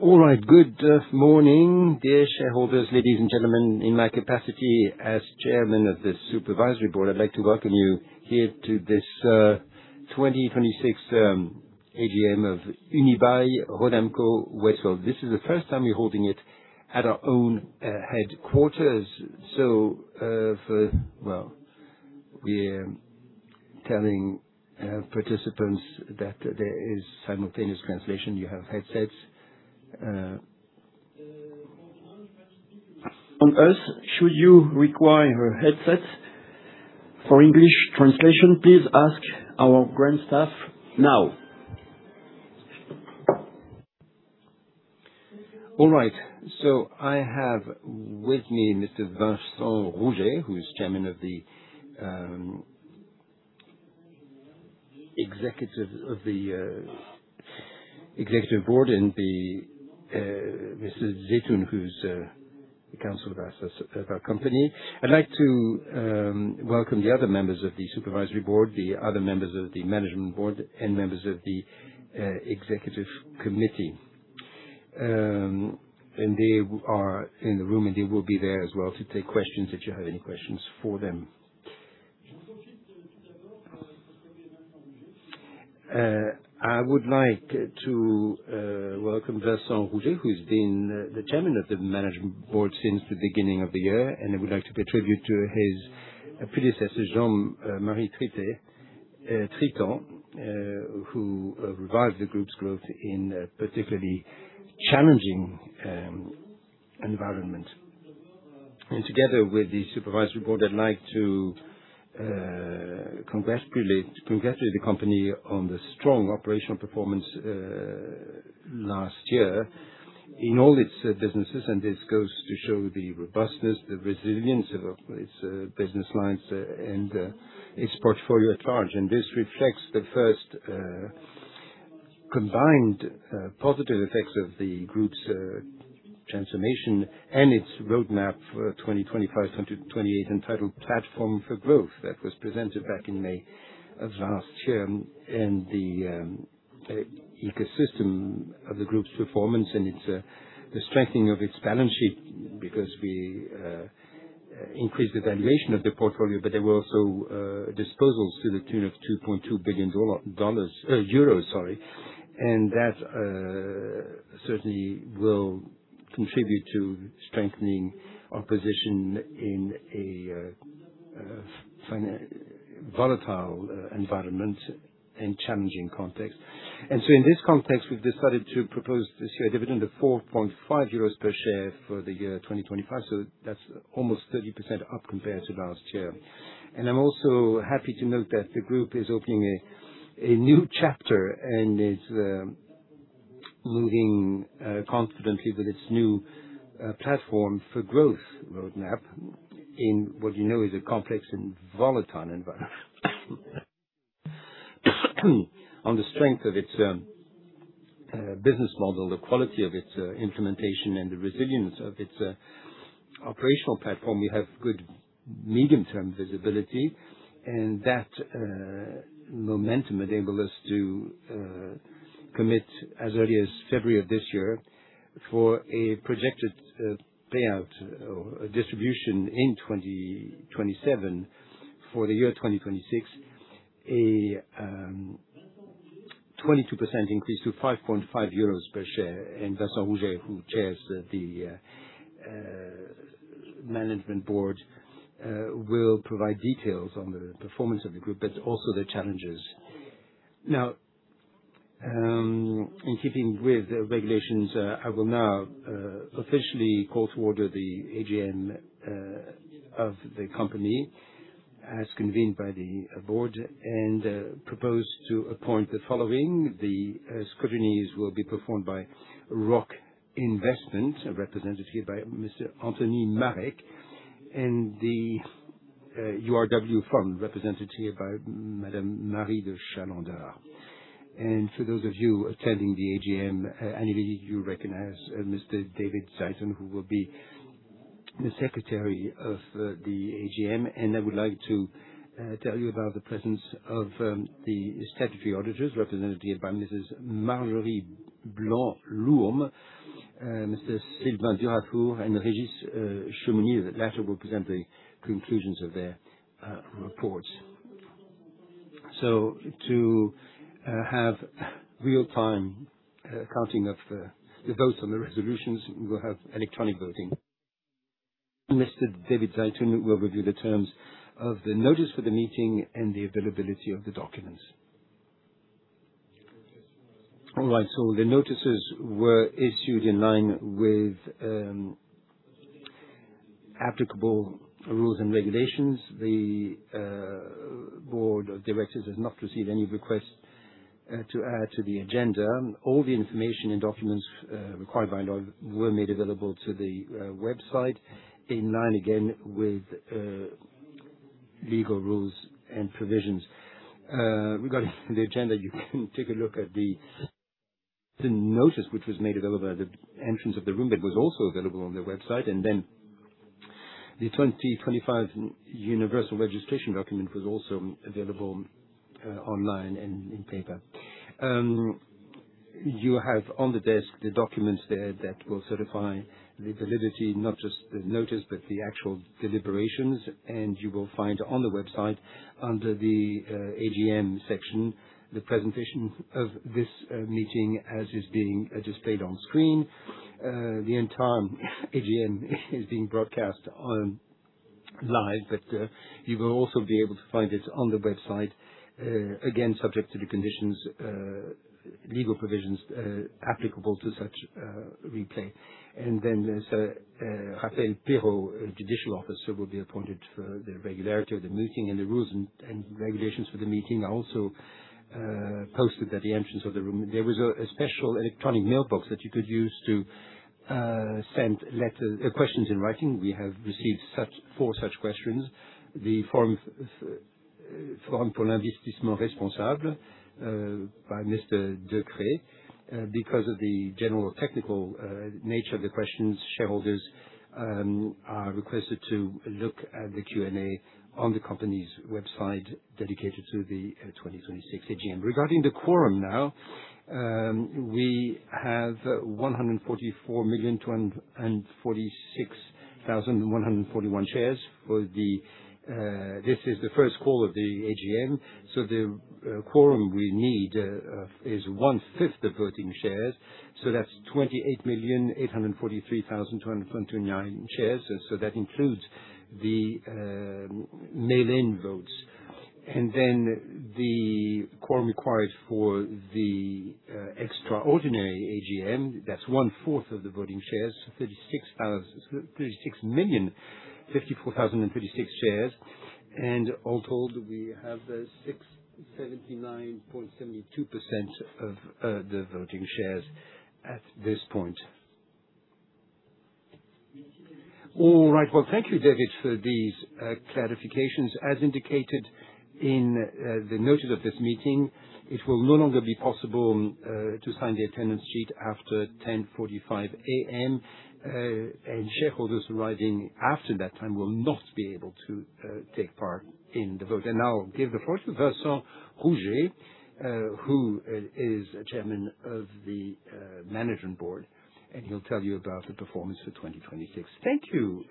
All right. Good morning, dear shareholders, ladies and gentlemen. In my capacity as chairman of the supervisory board, I'd like to welcome you here to this 26th AGM of Unibail-Rodamco-Westfield. This is the first time we're holding it at our own headquarters. We're telling our participants that there is simultaneous translation. You have headsets. On Earth, should you require a headset for English translation, please ask our ground staff now. All right. I have with me Mr. Vincent Rouget, who is Chairman of the executive board and Mr. Zeitoun, who's the Counsel of our company. I'd like to welcome the other members of the Supervisory Board, the other members of the Management Board and members of the Executive Committee. They are in the room, and they will be there as well to take questions if you have any questions for them. I would like to welcome Vincent Rouget, who's been the Chairman of the Management Board since the beginning of the year, and I would like to pay tribute to his predecessor, Jean-Marie Tritant, who revived the group's growth in a particularly challenging environment. Together with the Supervisory Board, I'd like to congratulate the company on the strong operational performance last year in all its businesses, and this goes to show the robustness, the resilience of its business lines and its portfolio at large. This reflects the first combined positive effects of the group's transformation and its roadmap for 2025 to 2028 entitled A Platform for Growth that was presented back in May of last year. The ecosystem of the group's performance and its the strengthening of its balance sheet because we increased the valuation of the portfolio. There were also disposals to the tune of EUR 2.2 billion. That certainly will contribute to strengthening our position in a volatile environment and challenging context. In this context, we've decided to propose this year a dividend of 4.5 euros per share for the year 2025, so that's almost 30% up compared to last year. I'm also happy to note that the group is opening a new chapter and is moving confidently with its new A Platform for Growth roadmap in what you know is a complex and volatile environment. On the strength of its business model, the quality of its implementation, and the resilience of its operational platform, we have good medium-term visibility. That momentum enabled us to commit as early as February of this year for a projected payout or distribution in 2027 for the year 2026, a 22% increase to 5.5 euros per share. Vincent Rouget who chairs the Management Board will provide details on the performance of the group, but also the challenges. Now, in keeping with the regulations, I will now officially call to order the AGM of the company as convened by the board and propose to appoint the following. The scrutinies will be performed by Rock Investment, represented here by Anthony Maarek, and the URW firm, represented here by Madam Marie de Chalendar. For those of you attending the AGM annually, you recognize David Zeitoun, who will be the secretary of the AGM. I would like to tell you about the presence of the statutory auditors, represented here by Mrs. Marjorie Blanc Lourme, Mr. Sylvain Durafour, and Régis Chemouny. The latter will present the conclusions of their reports. To have real-time counting of the votes on the resolutions, we will have electronic voting. Mr. David Zeitoun will review the terms of the notice for the meeting and the availability of the documents. All right. The notices were issued in line with applicable rules and regulations. The board of directors has not received any requests to add to the agenda. All the information and documents required by law were made available to the website in line again with legal rules and provisions. Regarding the agenda, you can take a look at the notice which was made available at the entrance of the room. It was also available on the website. The 2025 universal registration document was also available online and in paper. You have on the desk the documents there that will certify the validity, not just the notice, but the actual deliberations, and you will find on the website under the AGM section, the presentation of this meeting as is being displayed on screen. The entire AGM is being broadcast live, but you will also be able to find it on the website, again, subject to the conditions, legal provisions, applicable to such replay. There's Raphaël Pirro, a judicial officer, will be appointed for the regularity of the meeting and the rules and regulations for the meeting are also posted at the entrance of the room. There was a special electronic mailbox that you could use to send letters, questions in writing. We have received four such questions. The Forum pour l'Investissement Responsable by Mr. Decret. Because of the general technical nature of the questions, shareholders are requested to look at the Q&A on the company's website dedicated to the 2026 AGM. Regarding the quorum now, we have 144,246,141 shares for the, this is the first call of the AGM, so the quorum we need is one-fifth of voting shares, so that's 28,843,229 shares. That includes the mail-in votes. The quorum required for the extraordinary AGM, that's one-fourth of the voting shares, so 36,054,036 shares. We have 679.72% of the voting shares at this point. Thank you, David, for these clarifications. As indicated in the notice of this meeting, it will no longer be possible to sign the attendance sheet after 10:45 A.M. Shareholders arriving after that time will not be able to take part in the vote. Now I'll give the floor to Vincent Rouget, who is Chairman of the Management Board, and he'll tell you about the performance for 2026. Thank you,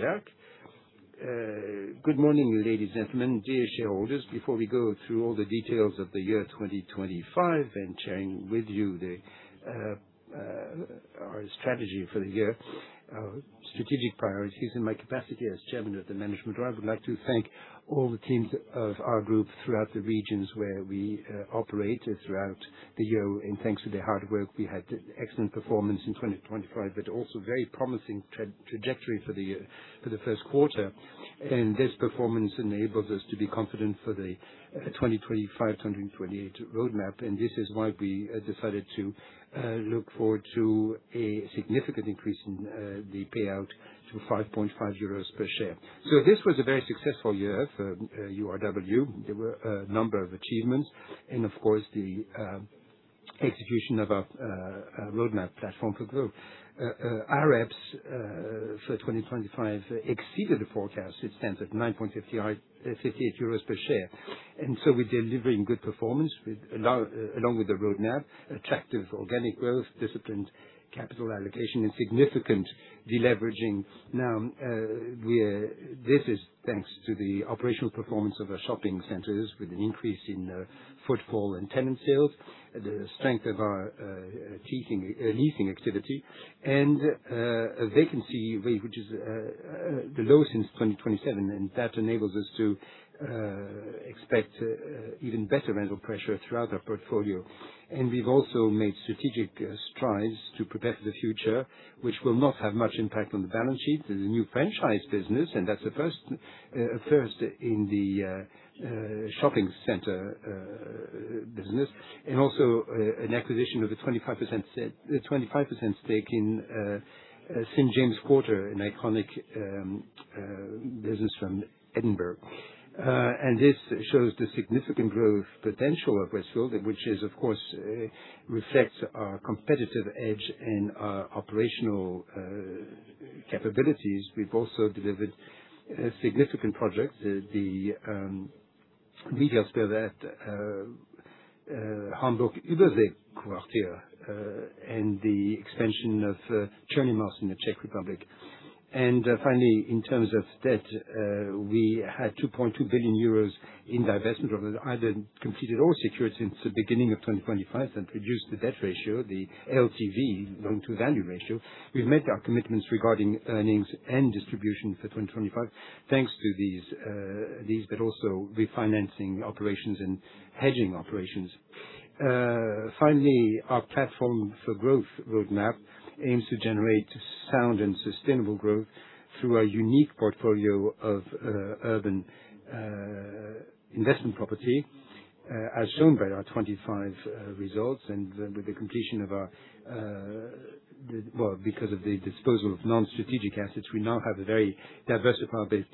Jacques. Good morning, ladies and gentlemen. Dear shareholders, before we go through all the details of the year 2025 and sharing with you our strategy for the year, our strategic priorities. In my capacity as Chairman of the Management, I would like to thank all the teams of our group throughout the regions where we operate throughout the year. Thanks to their hard work, we had excellent performance in 2025, but also very promising trajectory for the first quarter. This performance enables us to be confident for the 2025-2028 roadmap. This is why we decided to look forward to a significant increase in the payout to 5.50 euros per share. This was a very successful year for URW. There were a number of achievements and of course, the execution of our roadmap A Platform for Growth. Our EPS for 2025 exceeded the forecast. It stands at 9.58 euros per share. We're delivering good performance along with the roadmap, attractive organic growth, disciplined capital allocation, and significant deleveraging. This is thanks to the operational performance of our shopping centers with an increase in footfall and tenant sales, the strength of our leasing activity, and a vacancy rate, which is the lowest since 2027. That enables us to expect even better rental pressure throughout our portfolio. We've also made strategic strides to prepare for the future, which will not have much impact on the balance sheet. There's a new franchise business, that's the first first in the shopping center business and also an acquisition with a 25% stake in St James Quarter, an iconic business from Edinburgh. This shows the significant growth potential of Westfield, which is, of course, reflects our competitive edge and our operational capabilities. We've also delivered a significant project, the [mixed-use project] Westfield Hamburg-Überseequartier, and the expansion of Černý Most in the Czech Republic. Finally, in terms of debt, we had 2.2 billion euros in divestment of either completed or secured since the beginning of 2025 and reduced the debt ratio, the LTV, loan-to-value ratio. We've made our commitments regarding earnings and distribution for 2025, thanks to these, but also refinancing operations and hedging operations. Finally, our A Platform for Growth roadmap aims to generate sound and sustainable growth through our unique portfolio of urban investment property, as shown by our 25 results and with the completion of our, because of the disposal of non-strategic assets, we now have a very diversified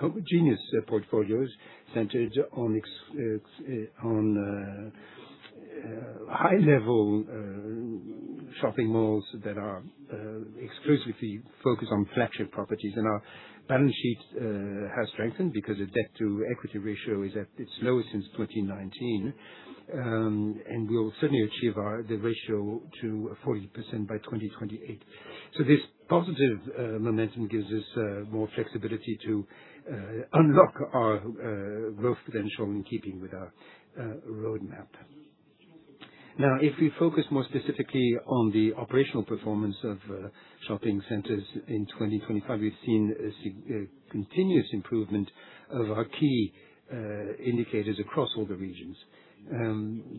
homogeneous portfolios centered on high-level shopping malls that are exclusively focused on flagship properties and our balance sheets have strengthened because the debt to equity ratio is at its lowest since 2019. We'll certainly achieve our, the ratio to 40% by 2028. This positive momentum gives us more flexibility to unlock our growth potential in keeping with our roadmap. If we focus more specifically on the operational performance of shopping centers in 2025, we've seen a continuous improvement of our key indicators across all the regions.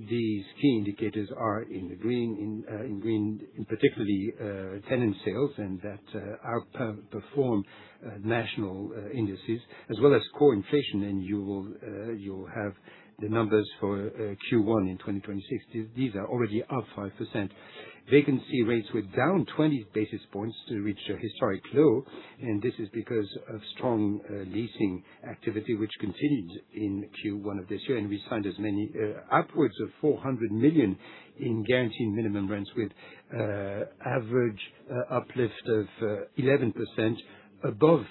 These key indicators are in the green, in green, particularly tenant sales and that outperform national indices as well as core inflation and you will, you'll have the numbers for Q1 in 2026. These are already up 5%. Vacancy rates were down 20 basis points to reach a historic low, and this is because of strong leasing activity which continued in Q1 of this year. We signed as many, upwards of 400 million in guaranteed minimum rents with average uplift of 11% above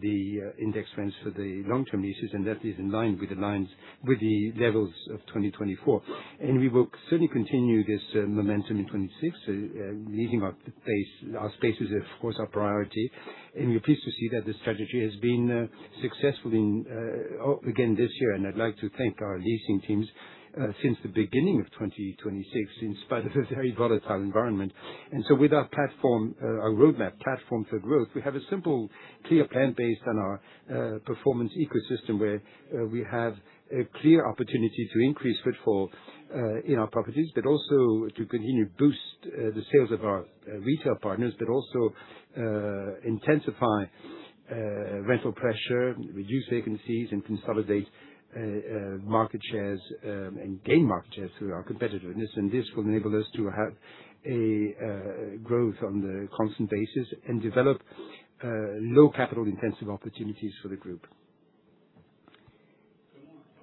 the index rents for the long-term leases, and that is in line with the lines, with the levels of 2024. We will certainly continue this momentum in 2026. Leasing our space, our space is of course our priority. We are pleased to see that the strategy has been successful again this year. I'd like to thank our leasing teams since the beginning of 2026 in spite of the very volatile environment. With our platform, our roadmap A Platform for Growth, we have a simple, clear plan based on our performance ecosystem where we have a clear opportunity to increase footfall in our properties, but also to continue to boost the sales of our retail partners, but also intensify rental pressure, reduce vacancies and consolidate market shares and gain market shares through our competitors. This will enable us to have a growth on the constant basis and develop low capital intensive opportunities for the group.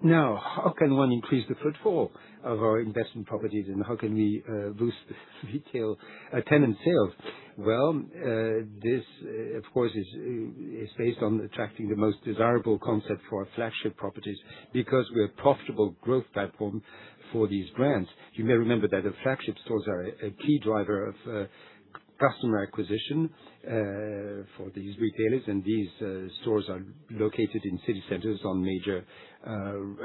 Now, how can one increase the footfall of our investment properties and how can we boost retail tenant sales? Well, this of course is based on attracting the most desirable concept for our flagship properties because we're a profitable growth platform for these brands. You may remember that the flagship stores are a key driver of customer acquisition for these retailers. These stores are located in city centers on major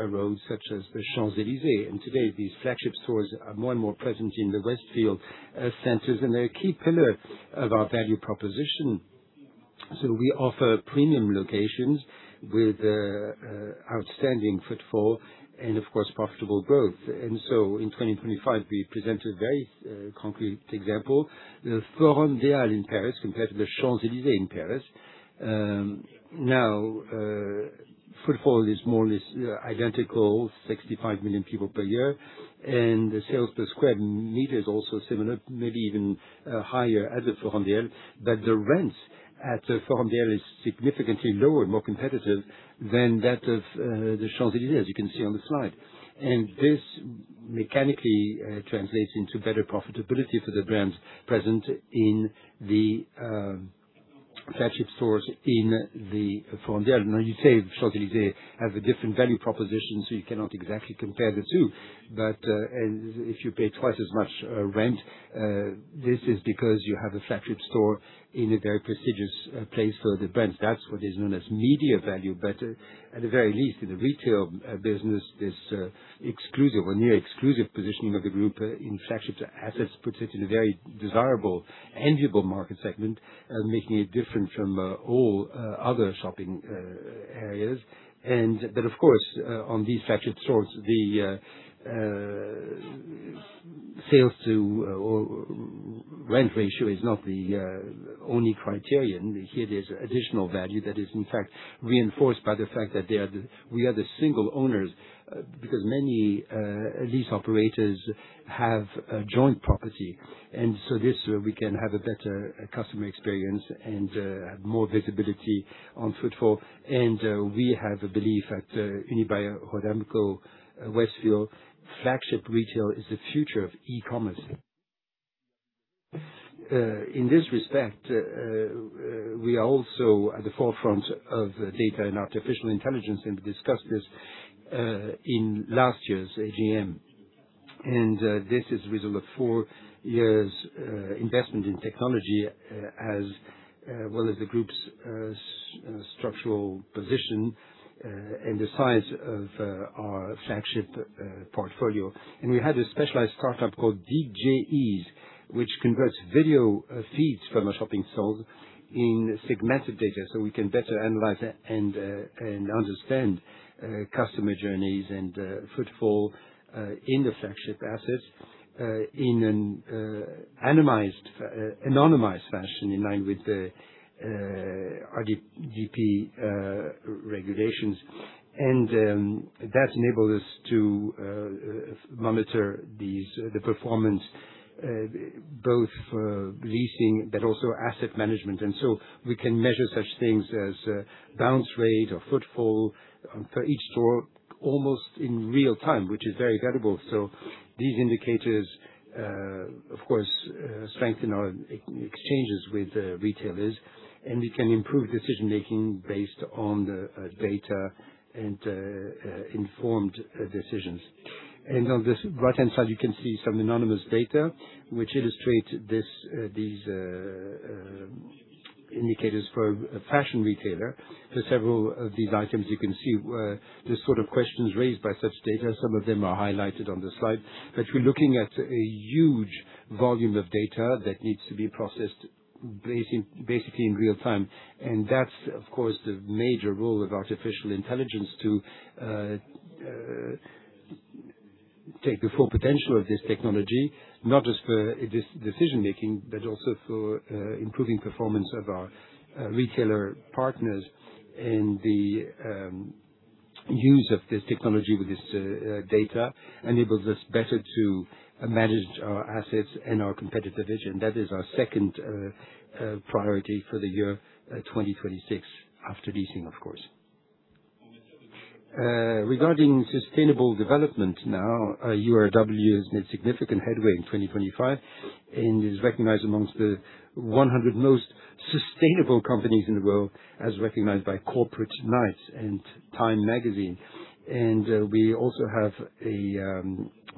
roads such as the Champs-Élysées. Today these flagship stores are more and more present in the Westfield centers, and they're a key pillar of our value proposition. We offer premium locations with outstanding footfall and of course profitable growth. In 2025 we present a very concrete example, the Forum des Halles in Paris compared to the Champs-Élysées in Paris. Now, footfall is more or less identical, 65 million people per year, and the sales per sq m is also similar, maybe even higher at the Forum des Halles. The rents at the Forum des Halles is significantly lower and more competitive than that of the Champs-Élysées, as you can see on the slide. This mechanically translates into better profitability for the brands present in the flagship stores in the Forum des Halles. You say Champs-Élysées has a different value proposition, so you cannot exactly compare the two. If you pay twice as much rent, this is because you have a flagship store in a very prestigious place for the brands. That's what is known as media value. At the very least in the retail business, this exclusive or near exclusive positioning of the group in flagship assets puts it in a very desirable, enviable market segment, making it different from all other shopping areas. Of course, on these flagship stores, the sales to or rent ratio is not the only criterion. Here there's additional value that is in fact reinforced by the fact that we are the single owners, because many lease operators have a joint property. This, we can have a better customer experience and more visibility on footfall. We have a belief at Unibail-Rodamco-Westfield, flagship retail is the future of e-commerce. In this respect, we are also at the forefront of data and artificial intelligence, and we discussed this in last year's AGM. This is a result of four years investment in technology, as well as the group's structural position and the size of our flagship portfolio. We have a specialized startup called Digeiz, which converts video feeds from our shopping stores in segmented data so we can better analyze and understand customer journeys and footfall in an anonymized fashion in line with the GDPR regulations. That enables us to monitor these, the performance. Both leasing but also asset management. So we can measure such things as bounce rate or footfall for each store almost in real time, which is very valuable. These indicators, of course, strengthen our exchanges with retailers, and we can improve decision-making based on the data and informed decisions. On this right-hand side you can see some anonymous data which illustrate these indicators for a fashion retailer. Several of these items you can see the sort of questions raised by such data. Some of them are highlighted on the slide. We're looking at a huge volume of data that needs to be processed basically in real time. That's, of course, the major role of artificial intelligence to take the full potential of this technology, not just for decision-making, but also for improving performance of our retailer partners. The use of this technology with this data enables us better to manage our assets and our competitive vision. That is our second priority for the year 2026, after leasing, of course. Regarding sustainable development now, URW has made significant headway in 2025 and is recognized amongst the 100 most sustainable companies in the world, as recognized by Corporate Knights and Time Magazine.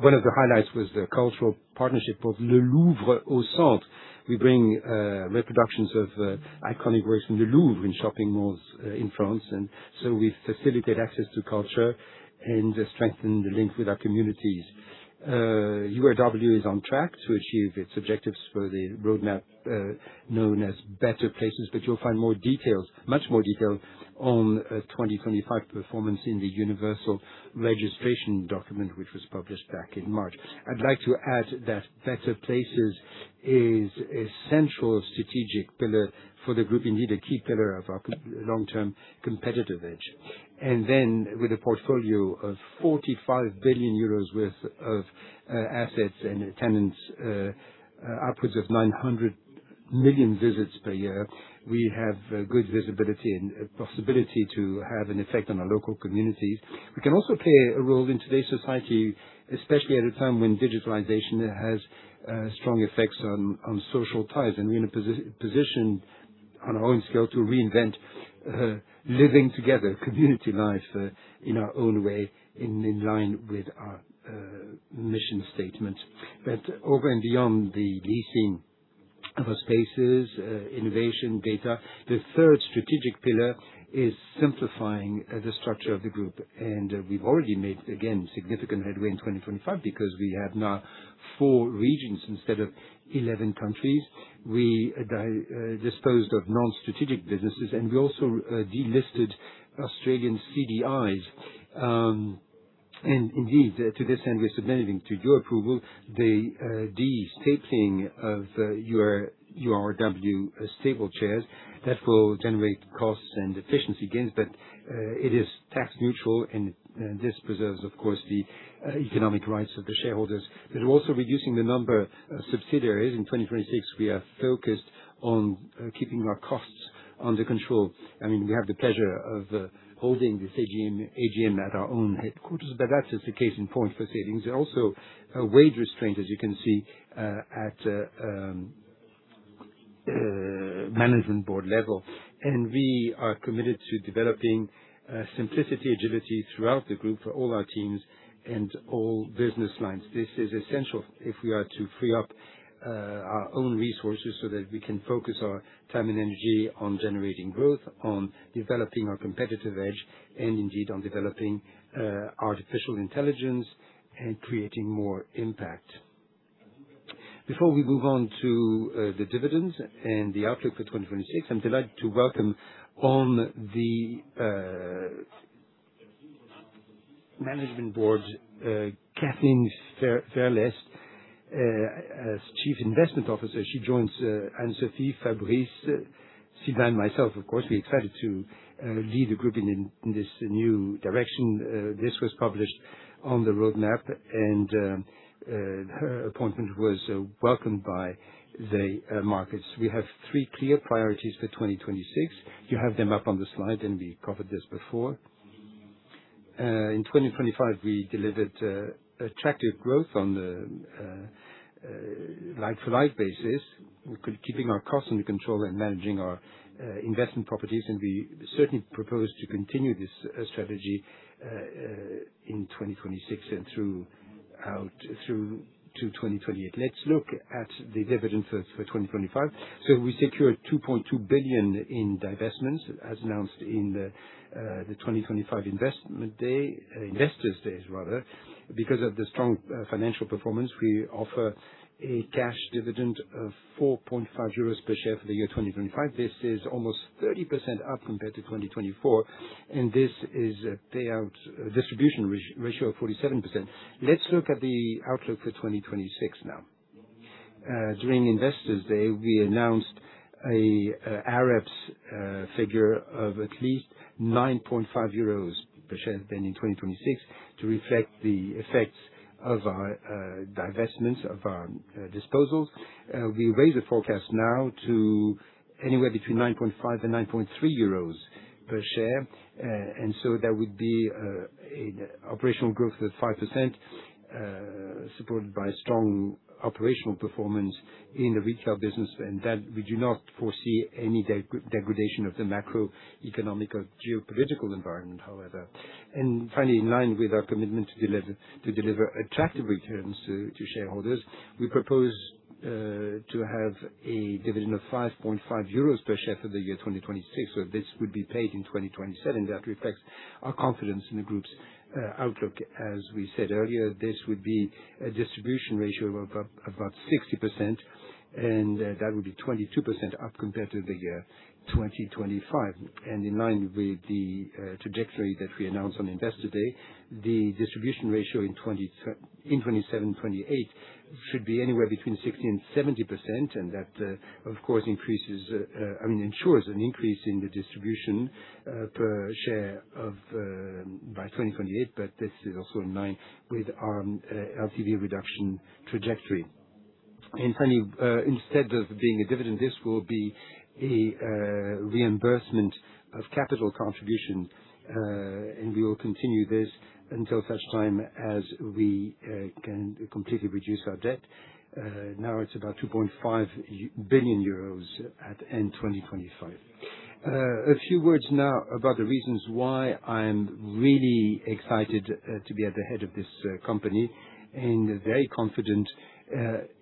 One of the highlights was the cultural partnership called Le Louvre au Centres. We bring reproductions of iconic works from the Louvre in shopping malls in France. So we facilitate access to culture and strengthen the link with our communities. URW is on track to achieve its objectives for the roadmap, known as Better Places, but you'll find more details, much more detail on 2025 performance in the universal registration document, which was published back in March. I'd like to add that Better Places is a central strategic pillar for the group, indeed, a key pillar of our long-term competitive edge. With a portfolio of 45 billion euros worth of assets and tenants, upwards of 900 million visits per year, we have good visibility and possibility to have an effect on our local communities. We can also play a role in today's society, especially at a time when digitalization has strong effects on social ties. We're in a position on our own scale to reinvent living together, community life, in our own way, in line with our mission statement. Beyond the leasing of spaces, innovation, data, the third strategic pillar is simplifying the structure of the group. We've already made significant headway in 2025 because we have now 4 regions instead of 11 countries. We disposed of non-strategic businesses, and we also delisted Australian CDIs. Indeed, to this end, we're submitting to your approval the delisting of URW stapled shares that will generate costs and efficiency gains, but it is tax neutral, and this preserves, of course, the economic rights of the shareholders. Also reducing the number of subsidiaries in 2026, we are focused on keeping our costs under control. I mean, we have the pleasure of holding this AGM at our own headquarters, but that's just a case in point for savings. Also, wage restraint, as you can see, at management board level. We are committed to developing simplicity agility throughout the group for all our teams and all business lines. This is essential if we are to free up our own resources so that we can focus our time and energy on generating growth, on developing our competitive edge, and indeed, on developing artificial intelligence and creating more impact. Before we move on to the dividends and the outlook for 2026, I'm delighted to welcome on the Management Board Kathleen Verelst as Chief Investment Officer. She joins Anne-Sophie, Fabrice, Sylvain, myself, of course. We're excited to lead the group in this new direction. This was published on the roadmap, and her appointment was welcomed by the markets. We have three clear priorities for 2026. You have them up on the slide, and we covered this before. In 2025, we delivered attractive growth on the like-for-like basis. We're keeping our costs under control and managing our investment properties, we certainly propose to continue this strategy in 2026 and out through to 2028. Let's look at the dividend for 2025. We secured 2.2 billion in divestments, as announced in the 2025 investors days rather. Because of the strong financial performance, we offer a cash dividend of 4.5 euros per share for the year 2025. This is almost 30% up compared to 2024, this is a payout distribution ratio of 47%. Let's look at the outlook for 2026 now. During investors day, we announced AREPS figure of at least 9.5 euros per share in 2026 to reflect the effects of our divestments, of our disposals. We raise the forecast now to anywhere between 9.5 and 9.3 euros per share. That would be a operational growth of 5%, supported by strong operational performance in the retail business. That we do not foresee any degradation of the macroeconomic or geopolitical environment, however. Finally, in line with our commitment to deliver attractive returns to shareholders, we propose to have a dividend of 5.5 euros per share for the year 2026. This would be paid in 2027. That reflects our confidence in the group's outlook. As we said earlier, this would be a distribution ratio of about 60%, that would be 22% up compared to the year 2025. In line with the trajectory that we announced on Investor Day, the distribution ratio in 2027, 2028 should be anywhere between 60% and 70%. That, of course, increases, ensures an increase in the distribution per share of by 2028, but this is also in line with our LTV reduction trajectory. Finally, instead of there being a dividend, this will be a reimbursement of capital contribution. We will continue this until such time as we can completely reduce our debt. Now it's about 2.5 billion euros at end 2025. A few words now about the reasons why I'm really excited to be at the head of this company and very confident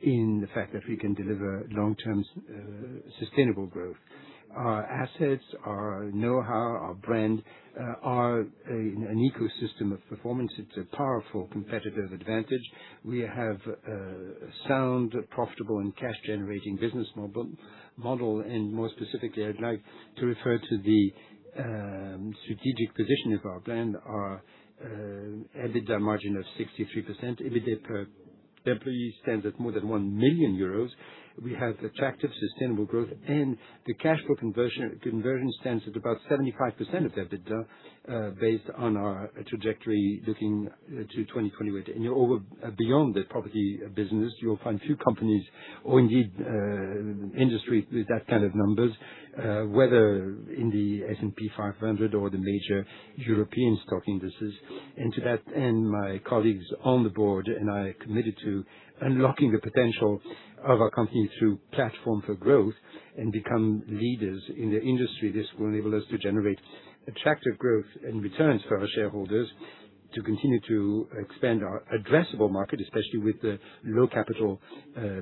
in the fact that we can deliver long-term sustainable growth. Our assets, our know-how, our brand, are an ecosystem of performance. It's a powerful competitive advantage. We have a sound, profitable, and cash-generating business model. More specifically, I'd like to refer to the strategic position of our brand. Our EBITDA margin of 63%, EBITA per employee stands at more than 1 million euros. We have attractive sustainable growth, the cash flow conversion stands at about 75% of EBITDA, based on our trajectory looking to 2028. Beyond the property business, you'll find few companies or indeed industry with that kind of numbers, whether in the S&P 500 or the major European stock indices. To that end, my colleagues on the board and I are committed to unlocking the potential of our company through A Platform for Growth and become leaders in the industry. This will enable us to generate attractive growth and returns for our shareholders to continue to expand our addressable market, especially with the low capital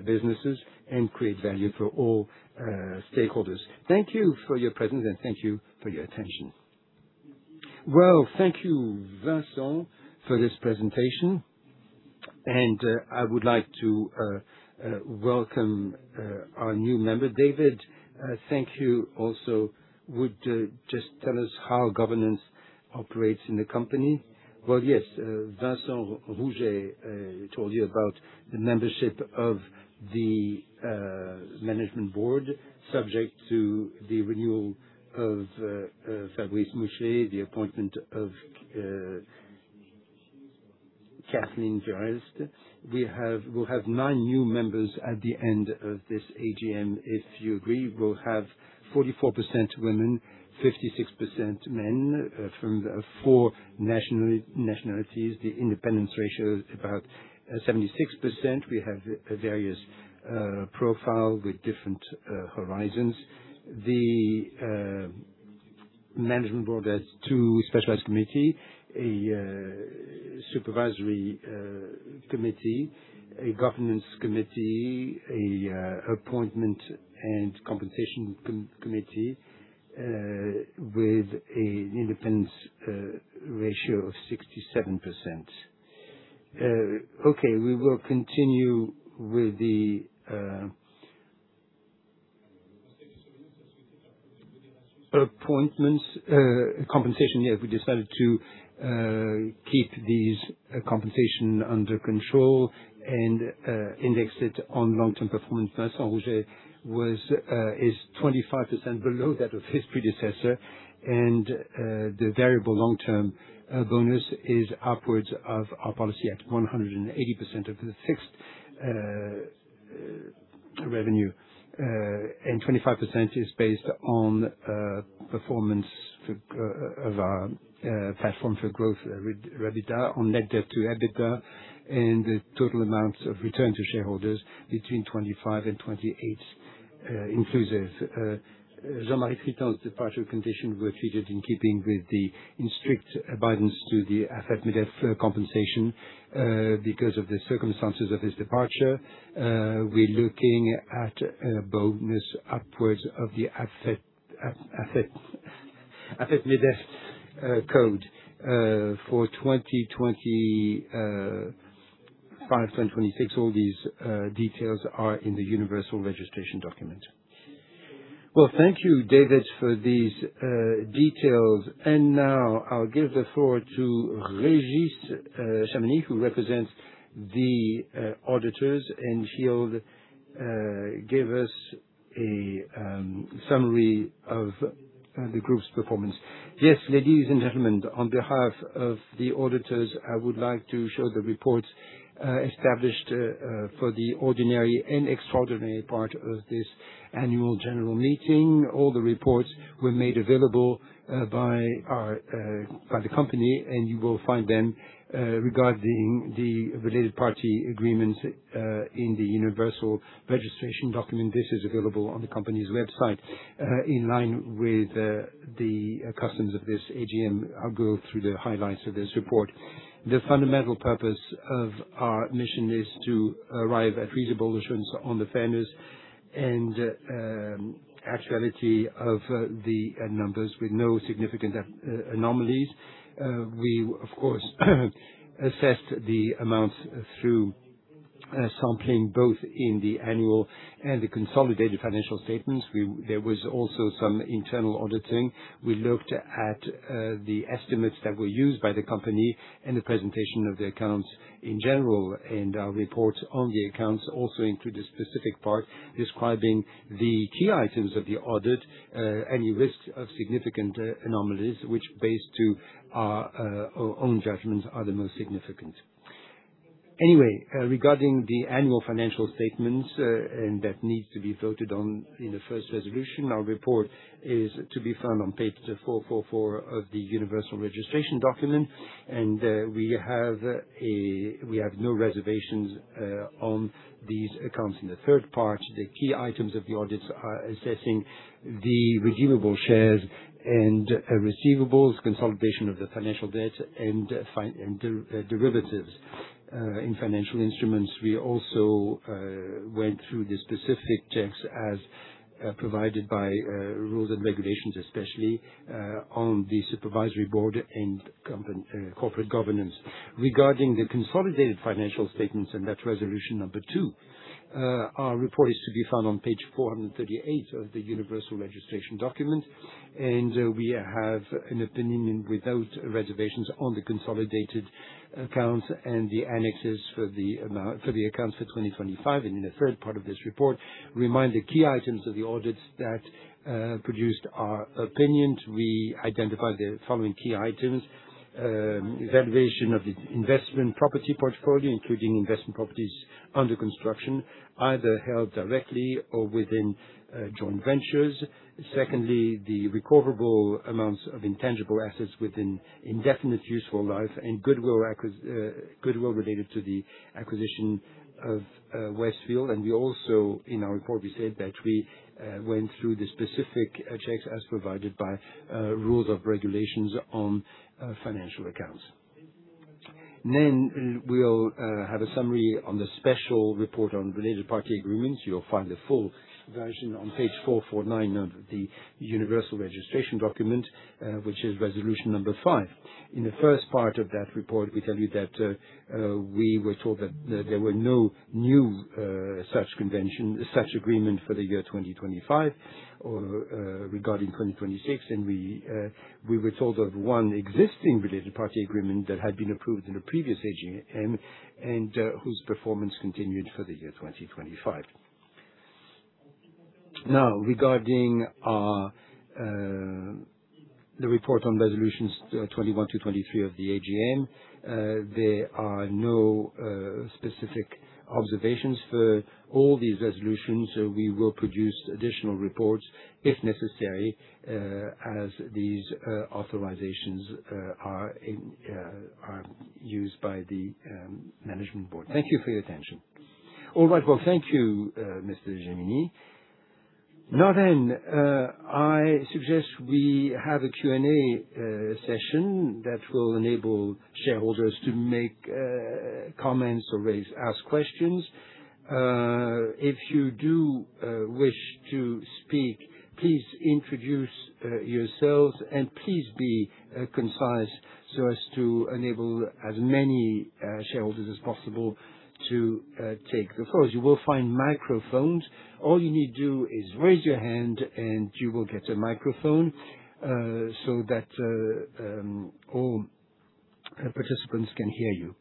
businesses, and create value for all stakeholders. Thank you for your presence, and thank you for your attention. Well, thank you, Vincent, for this presentation. I would like to welcome our new member. David, thank you also. Would you just tell us how governance operates in the company? Well, yes, Vincent Rouget told you about the membership of the Management Board, subject to the renewal of Fabrice Mouchel, the appointment of Kathleen Verelst. We'll have nine new members at the end of this AGM. If you agree, we'll have 44% women, 56% men, from the four nationalities. The independence ratio is about 76%. We have various profile with different horizons. The Management Board has two specialized committee, a Supervisory Committee, a Governance Committee, a Appointment and Compensation Committee, with a independence ratio of 67%. Okay, we will continue with the appointments. Compensation, yeah, we decided to keep these compensation under control and index it on long-term performance. Vincent Rouget was is 25% below that of his predecessor. The variable long-term bonus is upwards of our policy at 180% of the fixed revenue. 25% is based on performance for of our A Platform for Growth, REBITDA on net debt to EBITDA and the total amount of return to shareholders between 25 and 28, inclusive. Jean-Marie Tritant's departure condition were treated in keeping with the in strict abidance to the AFEP-MEDEF compensation. Because of the circumstances of his departure, we're looking at a bonus upwards of the AFEP-MEDEF code for 2025 to 2026. All these details are in the universal registration document. Well, thank you, David, for these details. Now I'll give the floor to Régis Chemouny, who represents the auditors, and he'll give us a summary of the group's performance. Yes, ladies and gentlemen, on behalf of the auditors, I would like to show the reports established for the ordinary and extraordinary part of this annual general meeting. All the reports were made available by the company, you will find them regarding the related party agreements in the universal registration document. This is available on the company's website. In line with the customs of this AGM, I'll go through the highlights of this report. The fundamental purpose of our mission is to arrive at reasonable assurance on the fairness and actuality of the numbers with no significant anomalies. We, of course assessed the amounts through sampling both in the annual and the consolidated financial statements. There was also some internal auditing. We looked at the estimates that were used by the company and the presentation of the accounts in general. Our report on the accounts also include a specific part describing the key items of the audit, any risk of significant anomalies, which based to our own judgments are the most significant. Anyway, regarding the annual financial statements, and that needs to be voted on in the first resolution, our report is to be found on page 444 of the universal registration document, and we have no reservations on these accounts. In the third part, the key items of the audits are assessing the receivable shares and receivables, consolidation of the financial debt, and derivatives in financial instruments. We also went through the specific checks as provided by rules and regulations, especially on the supervisory board and corporate governance. Regarding the consolidated financial statements and that resolution number 2, our report is to be found on page 438 of the universal registration document. We have an opinion without reservations on the consolidated accounts and the annexes for the accounts for 2025. In the third part of this report remind the key items of the audits that produced our opinions. We identified the following key items, valuation of the investment property portfolio, including investment properties under construction, either held directly or within joint ventures. Secondly, the recoverable amounts of intangible assets within indefinite useful life and goodwill related to the acquisition of Westfield. We also, in our report, we said that we went through the specific checks as provided by rules of regulations on financial accounts. We'll have a summary on the special report on related party agreements. You'll find the full version on page 449 of the universal registration document, which is resolution number 5. In the first part of that report, we tell you that we were told that there were no new such convention, such agreement for the year 2025 or regarding 2026. We were told of one existing related party agreement that had been approved in the previous AGM and whose performance continued for the year 2025. Regarding the report on resolutions 21 to 23 of the AGM, there are no specific observations for all these resolutions. We will produce additional reports if necessary, as these authorizations are used by the management board. Thank you for your attention. Thank you, Mr. Régis. I suggest we have a Q&A session that will enable shareholders to make comments or ask questions. If you do wish to speak, please introduce yourselves, and please be concise so as to enable as many shareholders as possible to take the floor. You will find microphones. All you need do is raise your hand, and you will get a microphone so that all participants can hear you.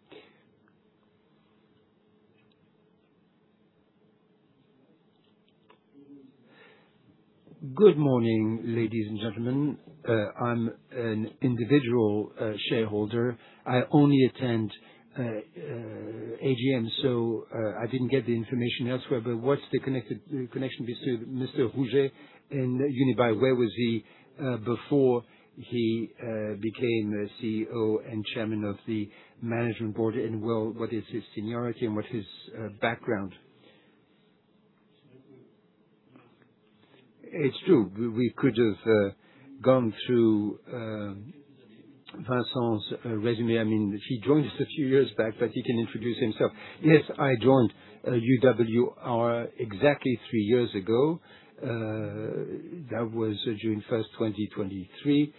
Good morning, ladies and gentlemen. I'm an individual shareholder. I only attend AGM, I didn't get the information elsewhere. What's the connected connection with Mr. Rouget and Unibail? Where was he before he became the Chief Executive Officer and Chairman of the Management Board? Well, what is his seniority and what's his background? It's true. We could have gone through Vincent's resume. I mean, he joined us a few years back, but he can introduce himself. Yes, I joined URW exactly three years ago. That was June 1st, 2023,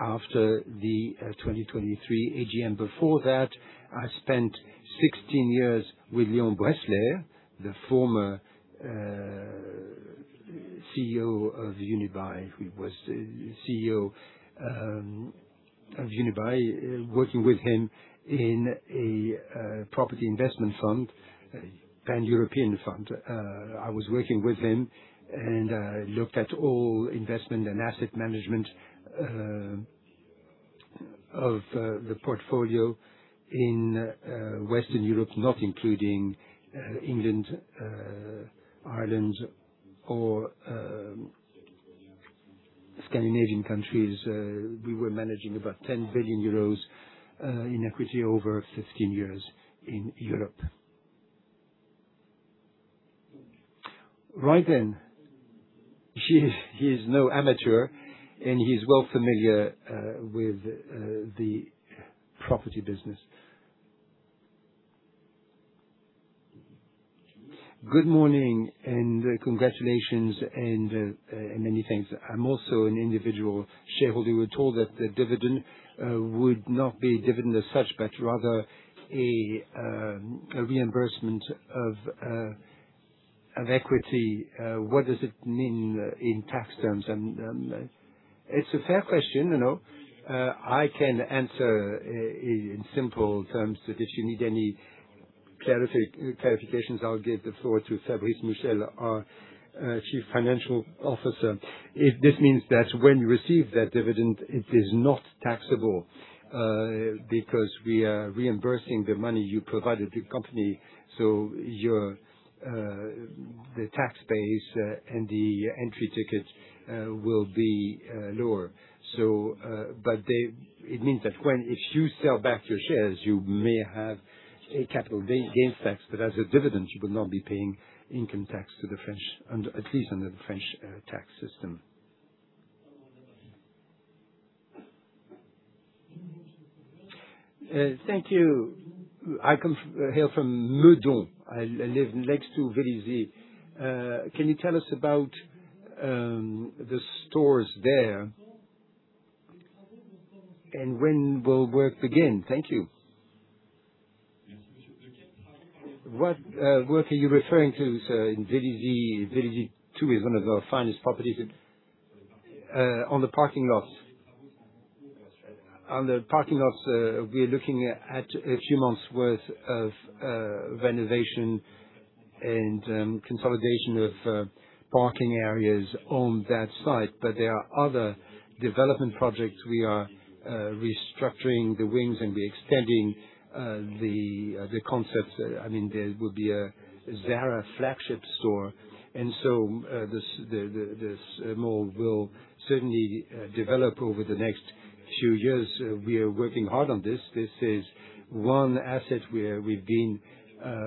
after the 2023 AGM. Before that, I spent 16 years with Léon Bressler, the former CEO of Unibail, he was the CEO of Unibail. Working with him in a property investment fund, a pan-European fund. I was working with him and looked at all investment and asset management of the portfolio in Western Europe, not including England, Ireland or Scandinavian countries. We were managing about 10 billion euros in equity over 15 years in Europe. Right then. He, he's no amateur, and he's well familiar with the property business. Good morning and congratulations and many thanks. I'm also an individual shareholder. We're told that the dividend would not be a dividend as such, but rather a reimbursement of equity. What does it mean in tax terms and It's a fair question, you know. I can answer in simple terms that if you need any clarifications, I'll give the floor to Fabrice Mouchel, our Chief Financial Officer. This means that when you receive that dividend, it is not taxable because we are reimbursing the money you provided the company, so your the tax base and the entry ticket will be lower. It means that when if you sell back your shares, you may have a capital gains tax, but as a dividend, you will not be paying income tax to the French under at least under the French tax system. Thank you. I come here from Meudon. I live next to Vélizy. Can you tell us about the stores there, and when will work begin? Thank you. What work are you referring to, sir? In Vélizy 2 is one of our finest properties. On the parking lots. On the parking lots, we're looking at a few months worth of renovation and consolidation of parking areas on that site. There are other development projects. We are restructuring the wings, and we're extending the concepts. I mean, there will be a Zara flagship store. This mall will certainly develop over the next few years. We are working hard on this. This is one asset where we've been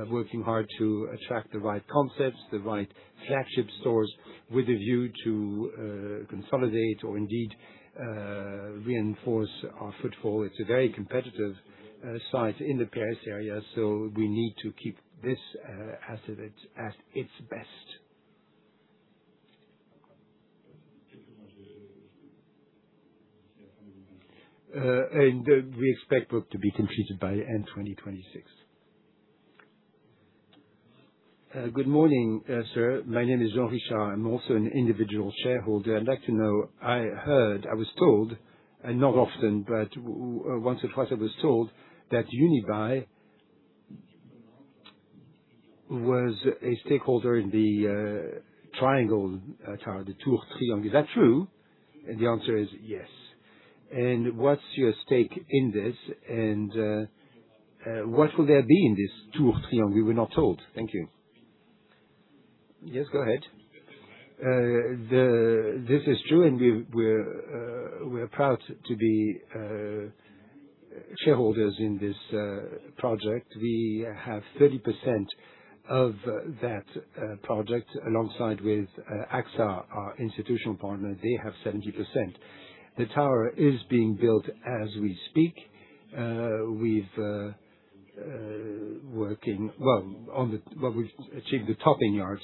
working hard to attract the right concepts, the right flagship stores, with a view to consolidate or indeed, reinforce our footfall. It's a very competitive site in the Paris area, we need to keep this asset at its best. We expect work to be completed by end 2026. Good morning, sir. My name is Jean-Richard. I'm also an individual shareholder. I'd like to know I heard, I was told, not often, but once or twice, I was told that Unibail was a stakeholder in the triangle tower, the Tour Triangle. Is that true? The answer is yes. What's your stake in this, what will there be in this Tour Triangle? We were not told. Thank you. Yes, go ahead. This is true, we're proud to be shareholders in this project. We have 30% of that project alongside with AXA, our institutional partner. They have 70%. The tower is being built as we speak. We've achieved the topping yard.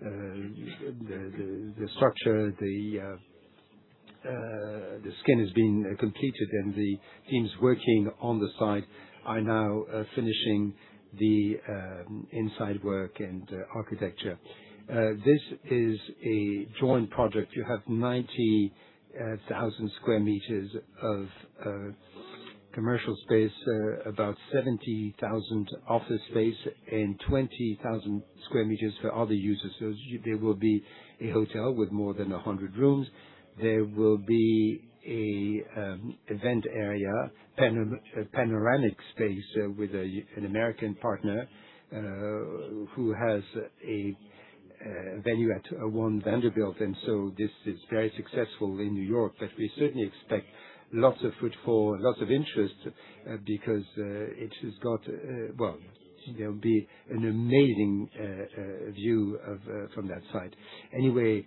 The structure, the skin has been completed, and the teams working on the site are now finishing the inside work and architecture. This is a joint project. You have 90,000 sq m of commercial space, about 70,000 office space and 20,000 sq m for other users. There will be a hotel with more than 100 rooms. There will be a event area, panoramic space, with an American partner, who has a venue at One Vanderbilt. This is very successful in New York, but we certainly expect-Lots of footfall, lots of interest, because it has got an amazing view from that site. Anyway,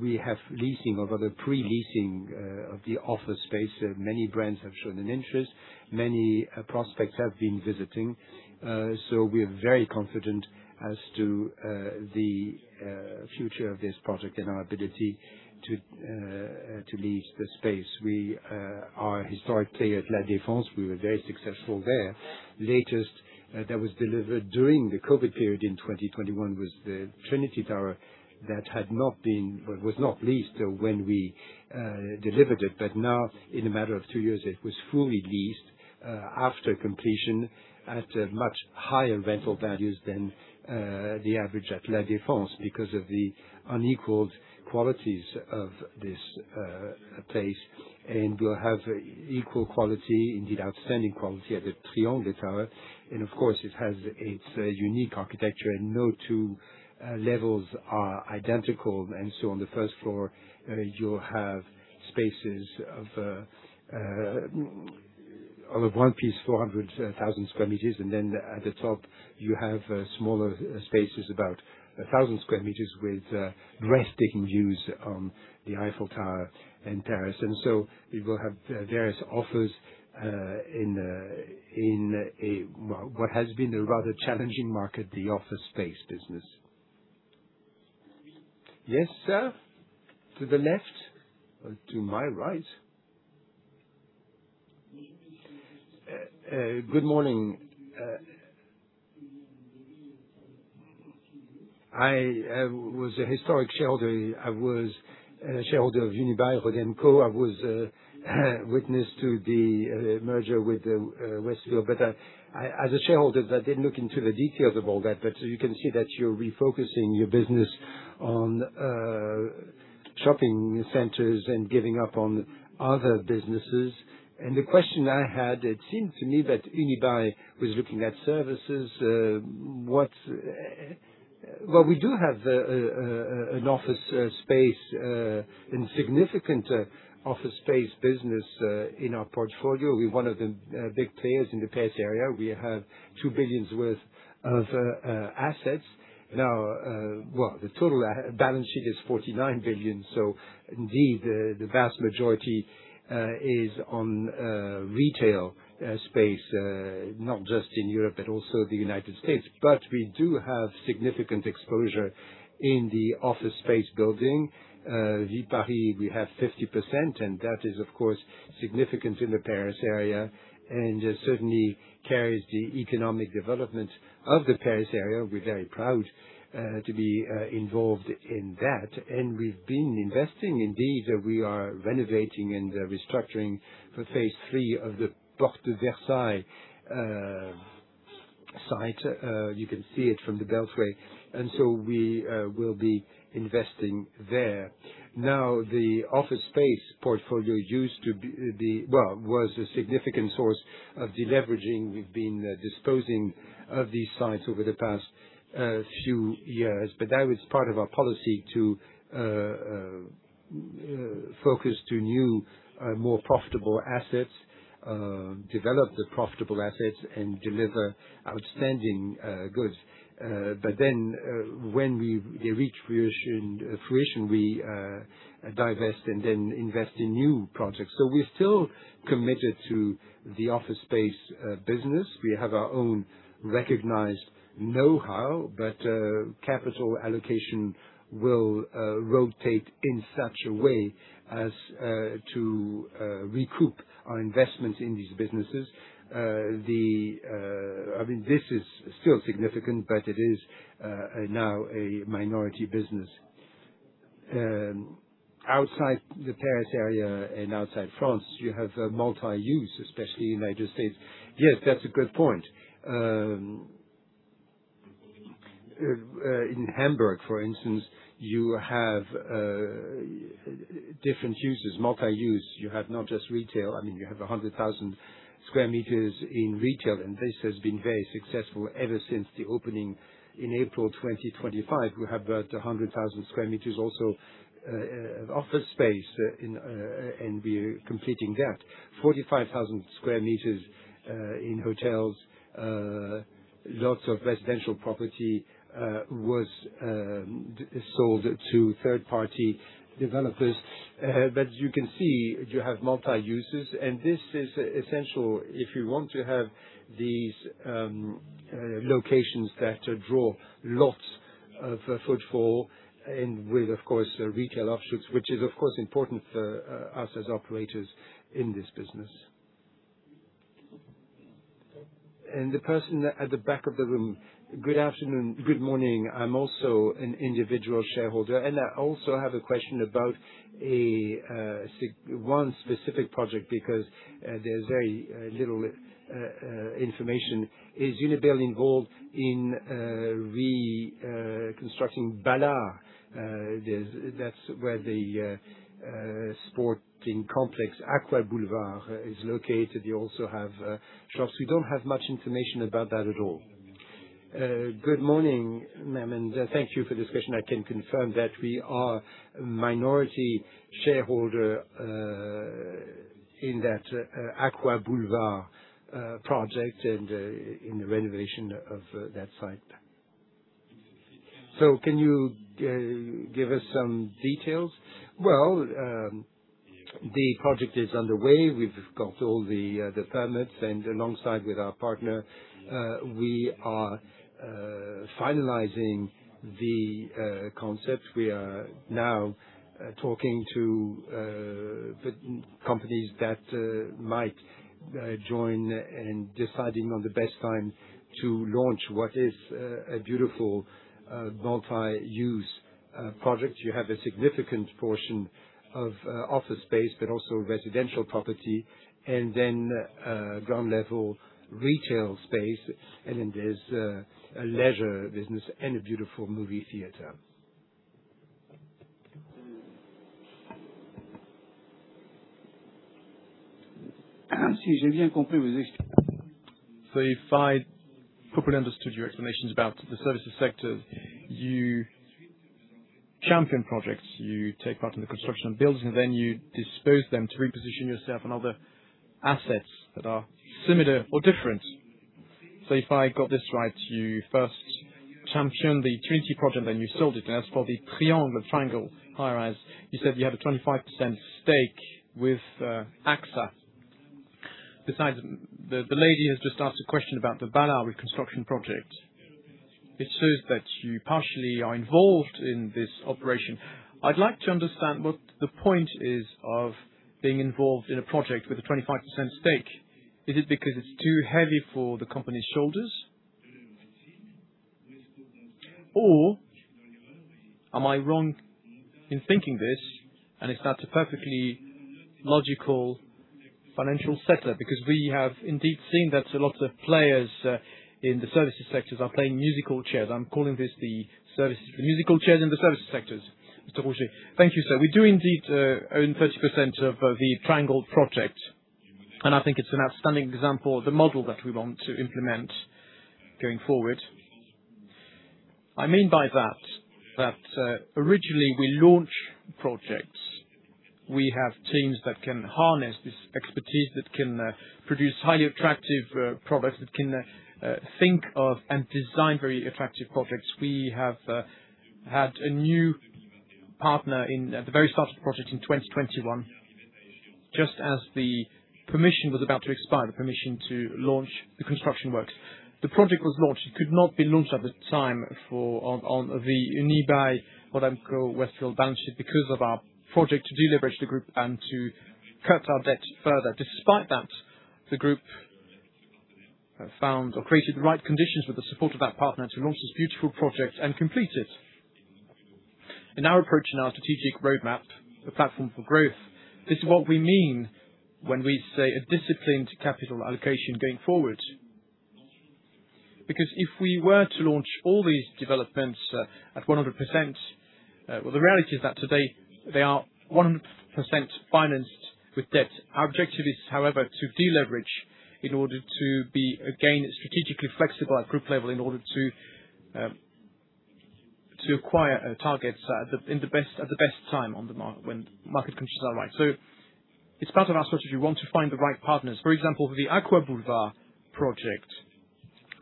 we have leasing of other pre-leasing of the office space. Many brands have shown an interest. Many prospects have been visiting. So we are very confident as to the future of this project and our ability to lease the space. We are historically at La Défense. We were very successful there. Latest that was delivered during the COVID period in 2021 was the Trinity Tower that was not leased when we delivered it. In a matter of two years, it was fully leased after completion at a much higher rental values than the average at La Défense because of the unequaled qualities of this place. We'll have equal quality, indeed outstanding quality at the Triangle Tower. It has its unique architecture. No two levels are identical. On the first floor, you'll have spaces of a one piece, 400,000 sq m, then at the top you have smaller spaces, about 1,000 sq m with breathtaking views on the Eiffel Tower and terrace. We will have various offers in a well, what has been a rather challenging market, the office space business. Yes, sir, to the left or to my right. Good morning. I was a historic shareholder. I was a shareholder of Unibail-Rodamco. I was a witness to the merger with Westfield. I, as a shareholder, I didn't look into the details of all that. You can see that you're refocusing your business on shopping centers and giving up on other businesses. The question I had, it seemed to me that Unibail was looking at services. What's Well, we do have an office space and significant office space business in our portfolio. We're one of the big players in the Paris area. We have 2 billion worth of assets now. Well, the total balance sheet is 49 billion, indeed, the vast majority is on retail space, not just in Europe, but also the U.S. We do have significant exposure in the office space building. Viparis, we have 50%, that is, of course, significant in the Paris area and certainly carries the economic development of the Paris area. We're very proud to be involved in that, we've been investing. Indeed, we are renovating and restructuring for phase III of the Porte de Versailles site. You can see it from the beltway. We will be investing there. Now, the office space portfolio used to be, well, was a significant source of deleveraging. We've been disposing of these sites over the past few years, that was part of our policy to focus to new, more profitable assets, develop the profitable assets and deliver outstanding goods. When we They reach fruition, we divest and invest in new projects. We're still committed to the office space business. We have our own recognized know-how, capital allocation will rotate in such a way as to recoup our investment in these businesses. The I mean, this is still significant, it is now a minority business. Outside the Paris area and outside France, you have a multi-use, especially in United States. Yes, that's a good point. In Hamburg, for instance, you have different users, multi-use. You have not just retail. I mean, you have 100,000 sq m in retail, and this has been very successful ever since the opening in April 2025. We have about 100,000 sq m also of office space in, and we're completing that 45,000 sq m in hotels. Lots of residential property was sold to third-party developers. You can see you have multi-users, and this is essential if you want to have these locations that draw lots of footfall and with, of course, retail offshoots, which is, of course, important for us as operators in this business. The person at the back of the room. Good afternoon. Good morning. I'm also an individual shareholder. I also have a question about one specific project because there's very little information. Is Unibail involved in reconstructing Balard? That's where the sporting complex Aquaboulevard is located. You also have shops. We don't have much information about that at all. Good morning, ma'am, and thank you for this question. I can confirm that we are minority shareholder in that Aquaboulevard project and in the renovation of that site. Can you give us some details? Well, the project is underway. We've got all the permits, and alongside with our partner, we are finalizing the concept. We are now talking to the companies that might join and deciding on the best time to launch what is a beautiful multi-use project. You have a significant portion of office space, but also residential property, and then ground level retail space, and then there's a leisure business and a beautiful movie theater. If I properly understood your explanations about the services sector, you champion projects, you take part in the construction of buildings, and then you dispose them to reposition yourself in other assets that are similar or different. If I got this right, you first championed the Trinity project, then you sold it. As for the Triangle high-rise, you said you have a 25% stake with AXA. Besides, the lady has just asked a question about the Balard reconstruction project. It shows that you partially are involved in this operation. I'd like to understand what the point is of being involved in a project with a 25% stake. Is it because it's too heavy for the company's shoulders? Am I wrong in thinking this, and it's not a perfectly logical financial setup? We have indeed seen that a lot of players in the services sectors are playing musical chairs. I'm calling this the services, the musical chairs in the services sectors. Mr. Rouget. Thank you, sir. We do indeed own 30% of the Triangle Project, and I think it's an outstanding example of the model that we want to implement going forward. I mean by that originally we launch projects. We have teams that can harness this expertise, that can produce highly attractive products, that can think of and design very attractive projects. We have had a new partner in at the very start of the project in 2021, just as the permission was about to expire, the permission to launch the construction works. The project was launched. It could not be launched at the time for, on the nearby what I call Westfield venture, because of our project to deleverage the group and to cut our debt further. Despite that, the group found or created the right conditions with the support of that partner to launch this beautiful project and complete it. In our approach, in our strategic roadmap, A Platform for Growth, this is what we mean when we say a disciplined capital allocation going forward. If we were to launch all these developments, at 100%, well, the reality is that today they are 100% financed with debt. Our objective is, however, to deleverage in order to be, again, strategically flexible at group level in order to acquire targets at the best time when market conditions are right. It's part of our strategy. We want to find the right partners. For example, the Aquaboulevard project,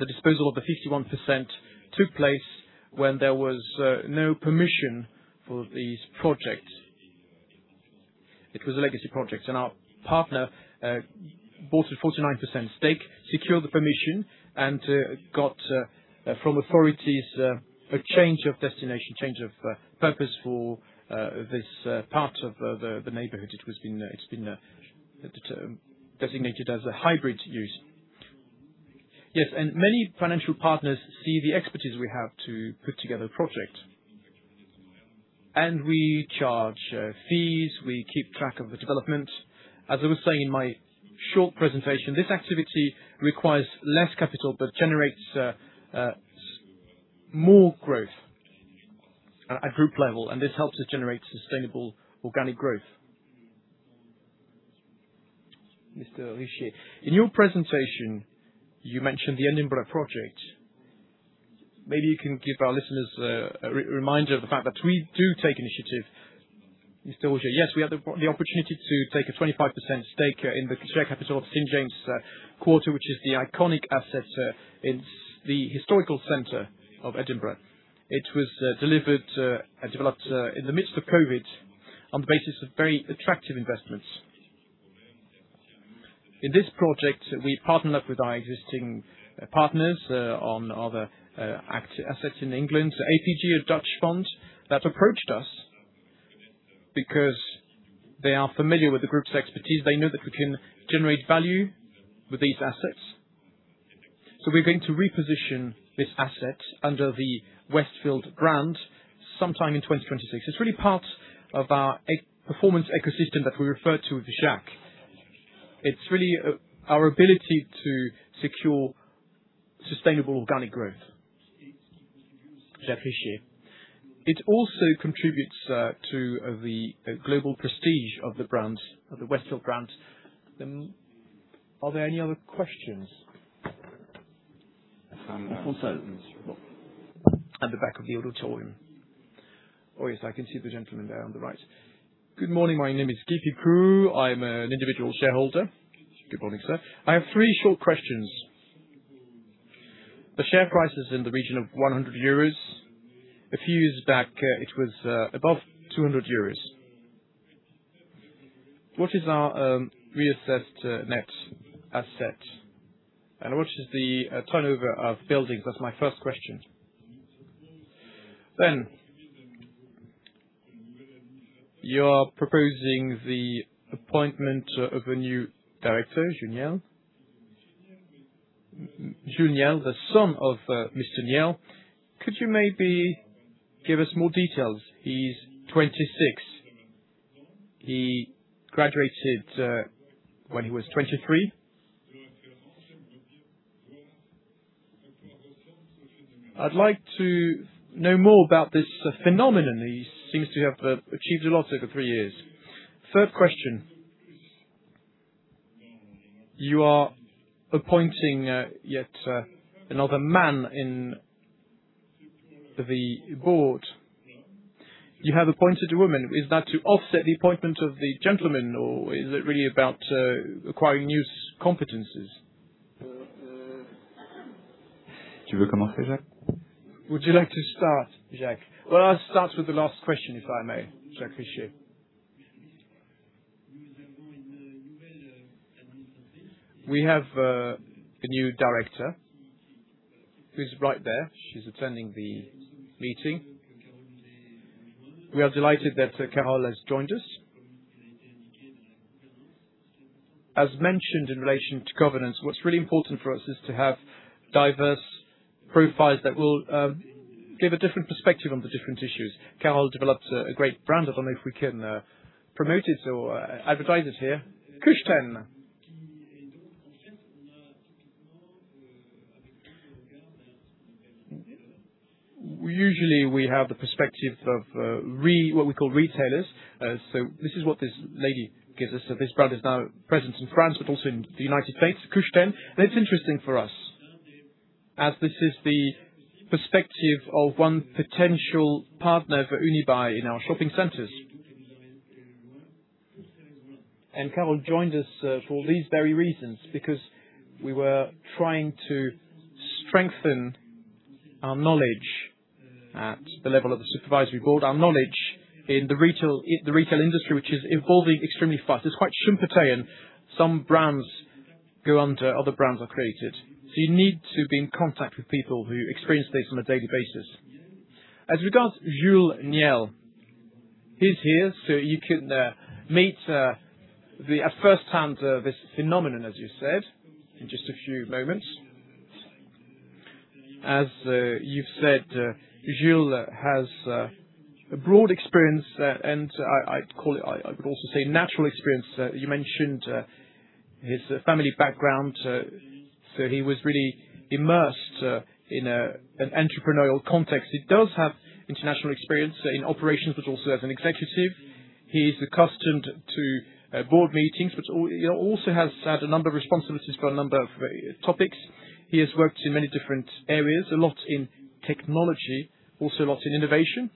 the disposal of the 51% took place when there was no permission for this project. It was a legacy project, and our partner bought a 49% stake, secured the permission, and got from authorities a change of destination, change of purpose for this part of the neighbourhood. It's been designated as a hybrid use. Yes, many financial partners see the expertise we have to put together a project. We charge fees. We keep track of the development. As I was saying in my short presentation, this activity requires less capital but generates more growth at group level, and this helps us generate sustainable organic growth. Mr. Régis, in your presentation, you mentioned the Edinburgh project. Maybe you can give our listeners a reminder of the fact that we do take initiative. Mr. Rouget. Yes, we had the opportunity to take a 25% stake in the St James Quarter, which is the iconic asset in the historical center of Edinburgh. It was delivered and developed in the midst of COVID on the basis of very attractive investments. In this project, we partnered up with our existing partners on other assets in England. APG, a Dutch fund that approached us because they are familiar with the group's expertise. They know that we can generate value with these assets. We're going to reposition this asset under the Westfield brand sometime in 2026. It's really part of our performance ecosystem that we refer to with Jacques. It's really our ability to secure sustainable organic growth. It also contributes to the global prestige of the brand, of the Westfield brand. Are there any other questions? At the back of the auditorium. Oh, yes, I can see the gentleman there on the right. Good morning. My name is Guy Fricout. I'm an individual shareholder. Good morning, sir. I have three short questions. The share price is in the region of 100 euros. A few years back, it was above 200 euros. What is our reassessed net asset, and what is the turnover of buildings? That's my first question. You're proposing the appointment of a new director, Jules Niel, the son of Mr. Niel. Could you may be share us more details? He's 26. He graduated when he was 23. I'd like to know more about this phenomenon. He seems to have achieved a lot over three years. Third question, you are appointing yet another man in the board. You have appointed a woman. Is that to offset the appointment of the gentleman, or is it really about acquiring new competencies? Would you like to start, Jacques? I'll start with the last question, if I may. Jacques Richier. We have a new director who's right there. She's attending the meeting. We are delighted that Carole has joined us. As mentioned in relation to governance, what's really important for us is to have diverse profiles that will give a different perspective on the different issues. Carole develops a great brand. I don't know if we can promote it or advertise it here, Kujten. We usually have the perspective of what we call retailers. This is what this lady gives us. This brand is now present in France, but also in the United States, Kujten. That's interesting for us, as this is the perspective of one potential partner for Unibail in our shopping centers. Carole joined us for these very reasons, because we were trying to strengthen our knowledge at the level of the supervisory board, our knowledge in the retail industry, which is evolving extremely fast. It's quite Schumpeterian. Some brands go under, other brands are created. You need to be in contact with people who experience this on a daily basis. As regards Jules Niel, he's here, you can meet the firsthand this phenomenon, as you said, in just a few moments. You've said, Jules has a broad experience, and I would also say natural experience. You mentioned his family background, he was really immersed in an entrepreneurial context. He does have international experience in operations, but also as an executive. He is accustomed to board meetings, but also has had a number of responsibilities for a number of topics. He has worked in many different areas, a lot in technology, also a lot in innovation.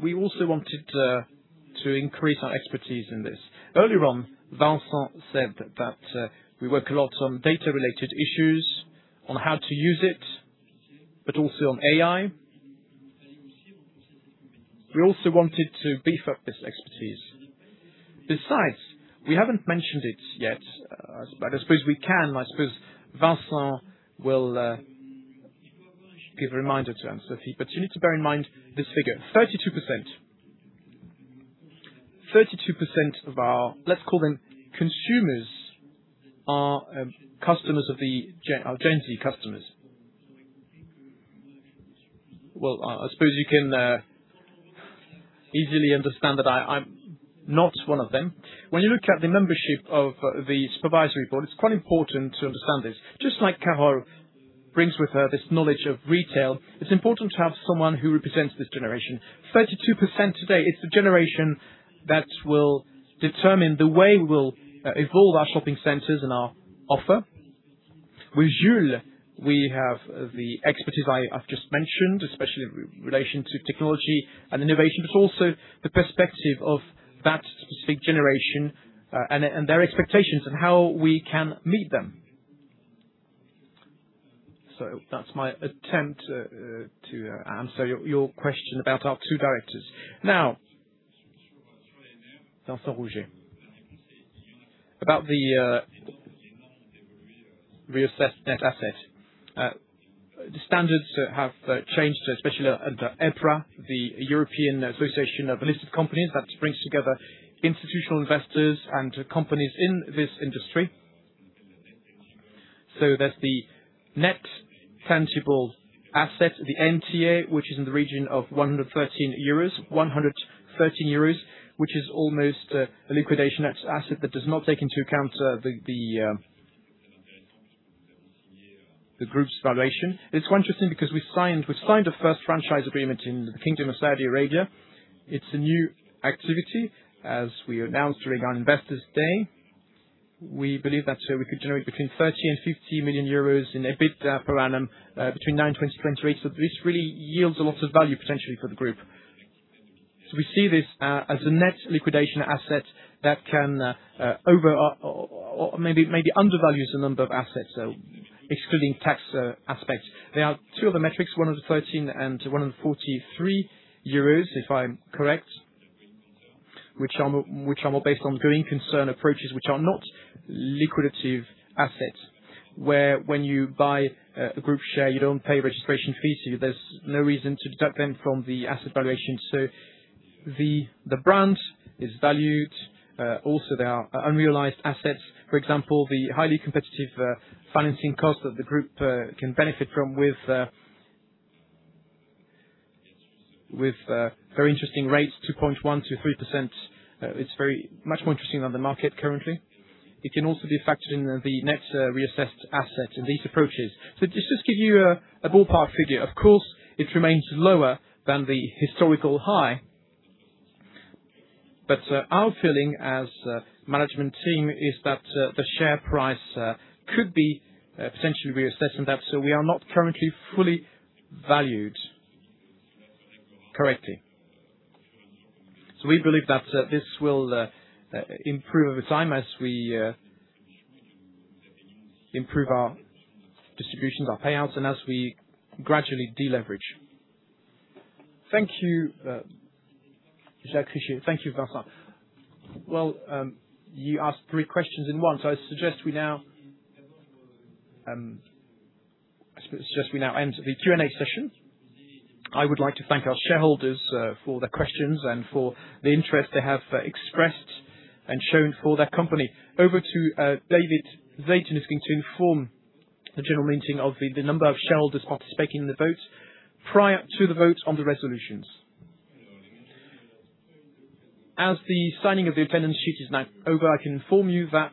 We also wanted to increase our expertise in this. Earlier on, Vincent said that we work a lot on data related issues, on how to use it, but also on AI. We also wanted to beef up this expertise. Besides, we haven't mentioned it yet, I suppose we can. I suppose Vincent will give a reminder to Anne-Sophie. You need to bear in mind this figure, 32%. 32% of our, let's call them consumers are Gen Z customers. Well, I suppose you can easily understand that I'm not one of them. When you look at the membership of the supervisory board, it's quite important to understand this. Just like Carole brings with her this knowledge of retail, it's important to have someone who represents this generation. 32% today, it's the generation that will determine the way we'll evolve our shopping centers and our offer. With Jules, we have the expertise I've just mentioned, especially relation to technology and innovation. Also the perspective of that specific generation, and their expectations and how we can meet them. That's my attempt to answer your question about our two directors. Vincent Rouget? About the reassessed net asset. The standards have changed, especially under EPRA, the European Association of Unlisted Companies that brings together institutional investors and companies in this industry. There's the net tangible asset, the NTA, which is in the region of 113 euros. 113 euros, which is almost a liquidation asset that does not take into account the group's valuation. It's interesting because we signed the first franchise agreement in the Kingdom of Saudi Arabia. It's a new activity, as we announced during our Investors Day. We believe that we could generate between 30 million and 50 million euros in EBITA per annum between 2028. This really yields a lot of value potentially for the group. We see this as a net liquidation asset that can over or maybe undervalues a number of assets, excluding tax aspects. There are two other metrics, one is 13 and one is 43 euros, if I'm correct, which are more based on going concern approaches which are not liquidative assets, where when you buy a group share, you don't pay registration fees, there's no reason to deduct them from the asset valuation. The brand is valued. Also there are unrealized assets. For example, the highly competitive financing cost that the group can benefit from with very interesting rates, 2.1%-3%. It's very much more interesting than the market currently. It can also be a factor in the next reassessed asset in these approaches. This just give you a ballpark figure. Of course, it remains lower than the historical high. Our feeling as a management team is that the share price could be potentially reassessed, and that so we are not currently fully valued correctly. We believe that this will improve over time as we improve our distributions, our payouts, and as we gradually deleverage. Thank you, Jacques Richier. Thank you, Vincent. Well, you asked three questions in one, I suggest we now end the Q&A session. I would like to thank our shareholders for their questions and for the interest they have expressed and shown for their company. Over to David Zeitoun to inform the general meeting of the number of shareholders participating in the vote prior to the vote on the resolutions. As the signing of the attendance sheet is now over, I can inform you that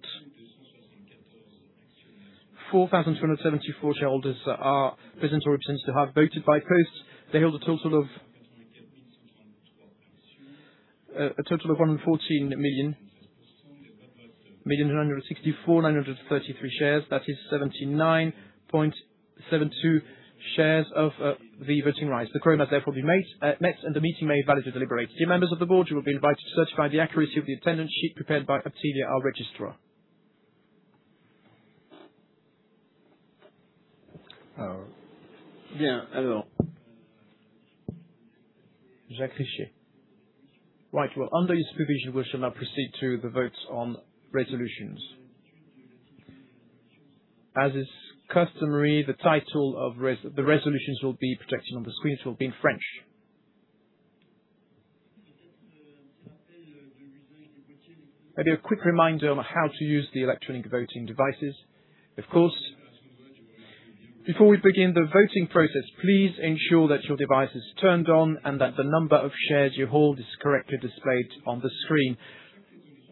4,274 shareholders are present or represented have voted by post. They held a total of 114,964,933 shares. That is 79.72% of the voting rights. The quorum has therefore been made, met, and the meeting may validly deliberate. Dear members of the board, you will be invited to certify the accuracy of the attendance sheet prepared by Uptevia, our registrar. Yeah. Hello. Jacques Richier. Right. Well, under his supervision, we shall now proceed to the votes on resolutions. As is customary, the title of the resolutions will be projected on the screen. It will be in French. Maybe a quick reminder on how to use the electronic voting devices. Of course, before we begin the voting process, please ensure that your device is turned on and that the number of shares you hold is correctly displayed on the screen.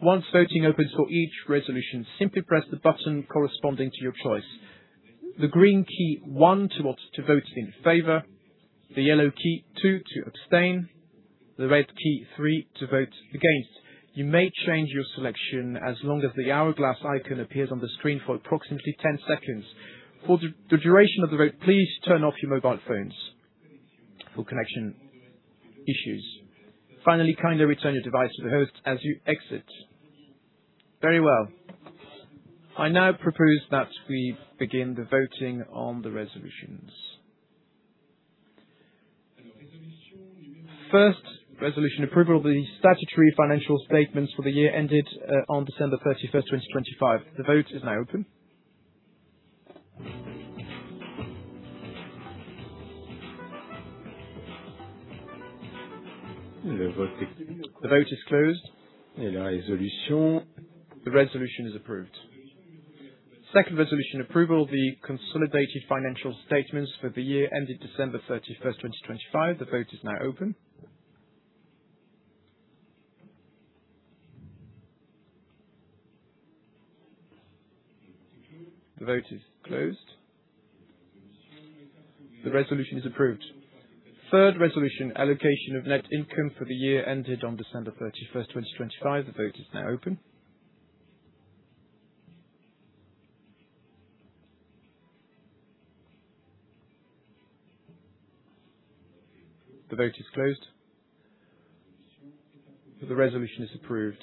Once voting opens for each resolution, simply press the button corresponding to your choice. The green key, one, to vote in favor. The yellow key, two, to abstain. The red key, three, to vote against. You may change your selection as long as the hourglass icon appears on the screen for approximately 10 seconds. For the duration of the vote, please turn off your mobile phones for connection issues. Finally, kindly return your device to the host as you exit. Very well. I now propose that we begin the voting on the resolutions. First resolution, approval of the statutory financial statements for the year ended on December 31st, 2025. The vote is now open. The vote is closed. The resolution is approved. Second resolution, approval of the consolidated financial statements for the year ended December 31st, 2025. The vote is now open. The vote is closed. The resolution is approved. Third resolution, allocation of net income for the year ended on December 31st, 2025. The vote is now open. The vote is closed. The resolution is approved.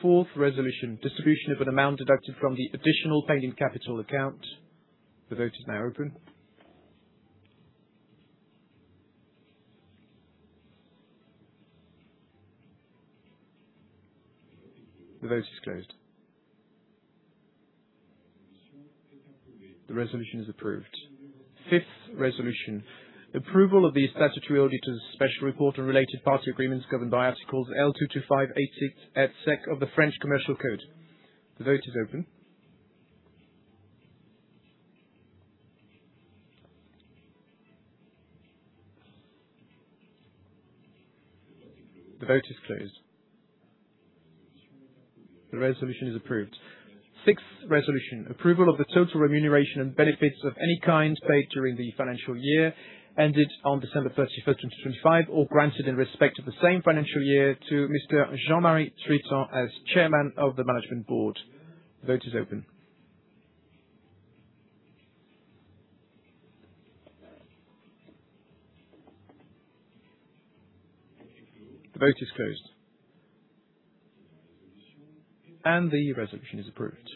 Fourth resolution, distribution of an amount deducted from the additional paid-in capital account. The vote is now open. The vote is closed. The resolution is approved. Fifth resolution, approval of the statutory auditor's special report on related party agreements governed by Articles L 225-86 et seq. of the French Commercial Code. The vote is open. The vote is closed. The resolution is approved. Sixth resolution, approval of the total remuneration and benefits of any kind paid during the financial year ended on December 31st, 2025, or granted in respect of the same financial year to Mr. Jean-Marie Tritant as Chairman of the Management Board. The vote is open. The vote is closed. The resolution is approved.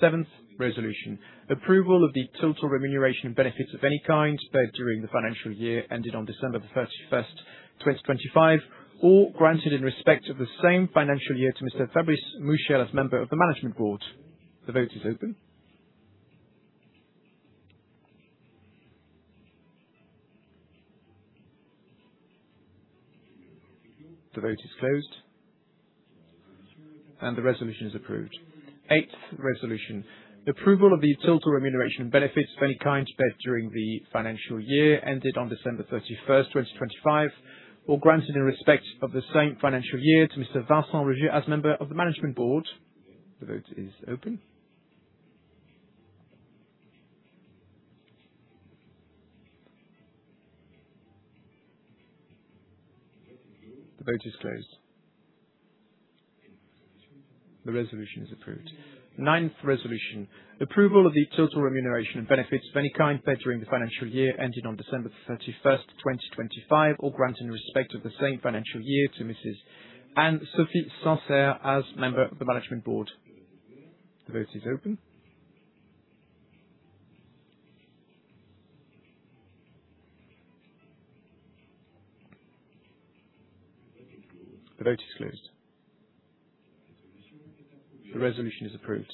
Seventh resolution, approval of the total remuneration and benefits of any kind paid during the financial year ended on December 31st, 2025, or granted in respect of the same financial year to Mr. Fabrice Mouchel as Member of the Management Board. The vote is open. The vote is closed. The resolution is approved. Eighth resolution, approval of the total remuneration and benefits of any kind paid during the financial year ended on December 31st, 2025, or granted in respect of the same financial year to Mr. Vincent Rouget as member of the Management Board. The vote is open. The vote is closed. The resolution is approved. Ninth resolution, approval of the total remuneration and benefits of any kind paid during the financial year ended on December 31st, 2025, or granted in respect of the same financial year to Mrs. Anne-Sophie Sancerre as member of the Management Board. The vote is open. The vote is closed. The resolution is approved.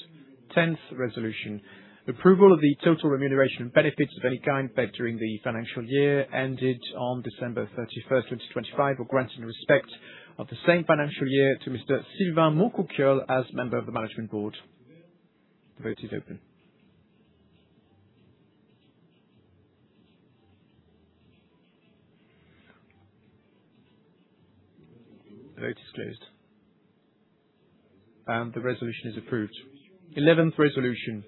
Tenth resolution, approval of the total remuneration and benefits of any kind paid during the financial year ended on December 31st, 2025, or granted in respect of the same financial year to Mr. Sylvain Montcouquiol as Member of the Management Board. The vote is open. The vote is closed. The resolution is approved. Eleventh resolution,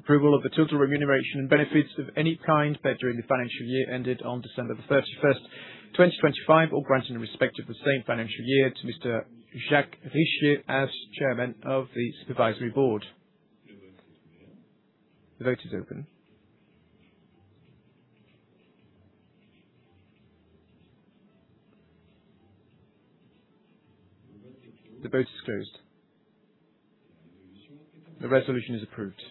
approval of the total remuneration and benefits of any kind paid during the financial year ended on December 31st, 2025, or granted in respect of the same financial year to Mr. Jacques Richier as Chairman of the Supervisory Board. The vote is open. The vote is closed. The resolution is approved.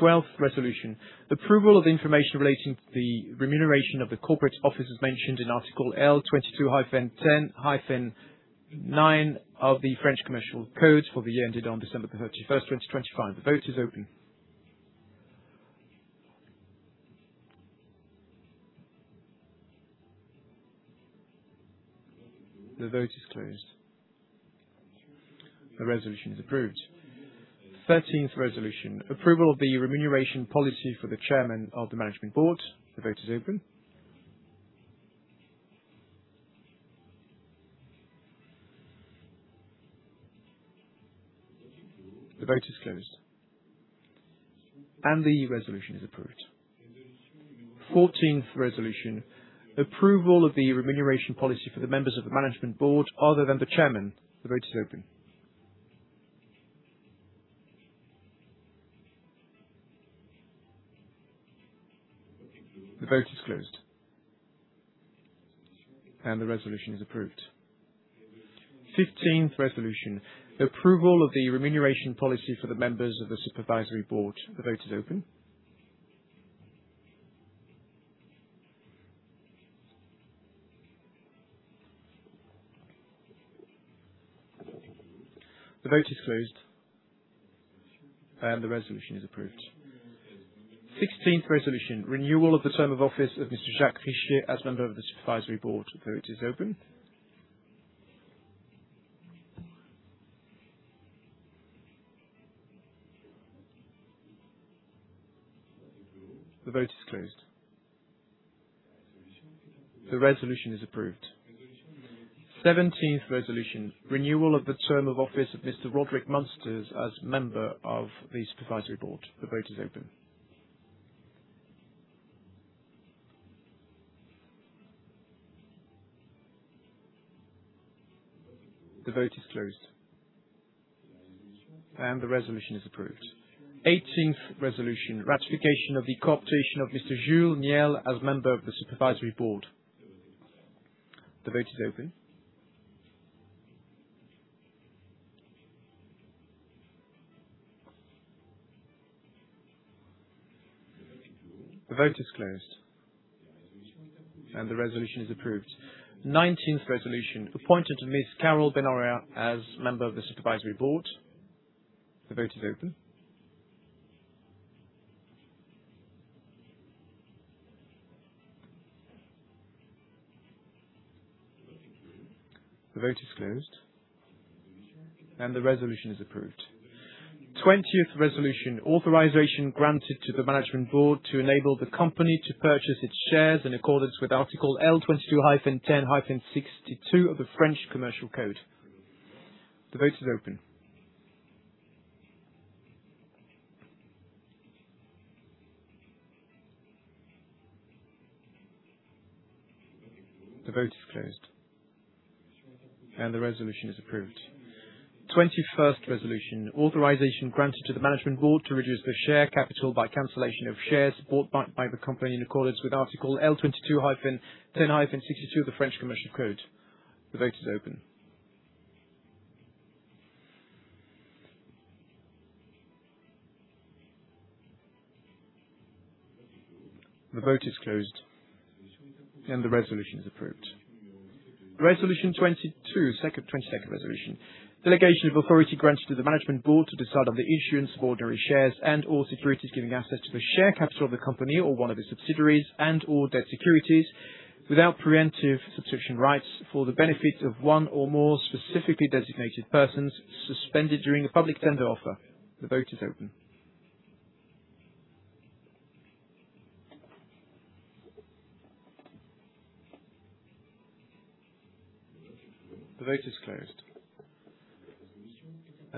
Twelfth resolution, approval of information relating to the remuneration of the corporate officers mentioned in Article L22-10-9 of the French Commercial Code for the year ended on December 31st, 2025. The vote is open. The vote is closed. The resolution is approved. Thirteenth resolution, approval of the remuneration policy for the Chairman of the Management Board. The vote is open. The vote is closed. The resolution is approved. Fourteenth resolution, approval of the remuneration policy for the members of the Management Board other than the chairman. The vote is open. The vote is closed. The resolution is approved. Fifteenth resolution, approval of the remuneration policy for the members of the Supervisory Board. The vote is open. The vote is closed. The resolution is approved. Sixteenth resolution, renewal of the term of office of Mr. Jacques Richier as member of the Supervisory Board. The vote is open. The vote is closed. The resolution is approved. Seventeenth resolution, renewal of the term of office of Mr. Roderick Munsters as member of the Supervisory Board. The vote is open. The vote is closed. The resolution is approved. Eighteenth resolution, ratification of the co-optation of Mr. Jules Niel as member of the supervisory board. The vote is open. The vote is closed. The resolution is approved. Nineteenth resolution, appointment of Ms. Carole Benaroya as member of the supervisory board. The vote is open. The vote is closed. The resolution is approved. Twentieth resolution, authorization granted to the management board to enable the company to purchase its shares in accordance with Article L22-10-62 of the French Commercial Code. The vote is open. The vote is closed. The resolution is approved. Twentyfirst resolution, authorization granted to the management board to reduce the share capital by cancellation of shares bought back by the company in accordance with Article L22-10-62 of the French Commercial Code. The vote is open. The vote is closed. The resolution is approved. Resolution 22, twentysecond resolution. Delegation of authority granted to the management board to decide on the issuance of ordinary shares and/or securities giving access to the share capital of the company or one of its subsidiaries and/or debt securities without preemptive subscription rights for the benefit of one or more specifically designated persons suspended during a public tender offer. The vote is open. The vote is closed.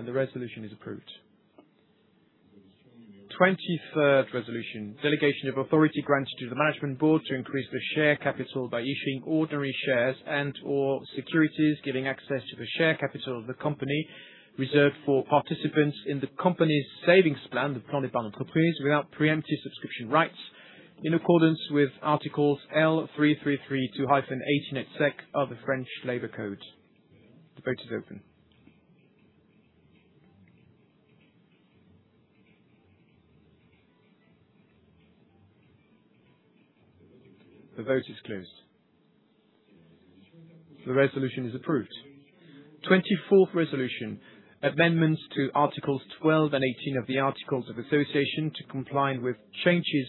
The resolution is approved. Twentythird resolution. Delegation of authority granted to the management board to increase the share capital by issuing ordinary shares and/or securities giving access to the share capital of the company reserved for participants in the company's savings plan, the Plan d'Épargne Entreprise, without preemptive subscription rights in accordance with Articles L3332-18 et seq. of the French Labor Code. The vote is open. The vote is closed. The resolution is approved. Twenty-fourth resolution. Amendments to Articles 12 and 18 of the Articles of Association to comply with changes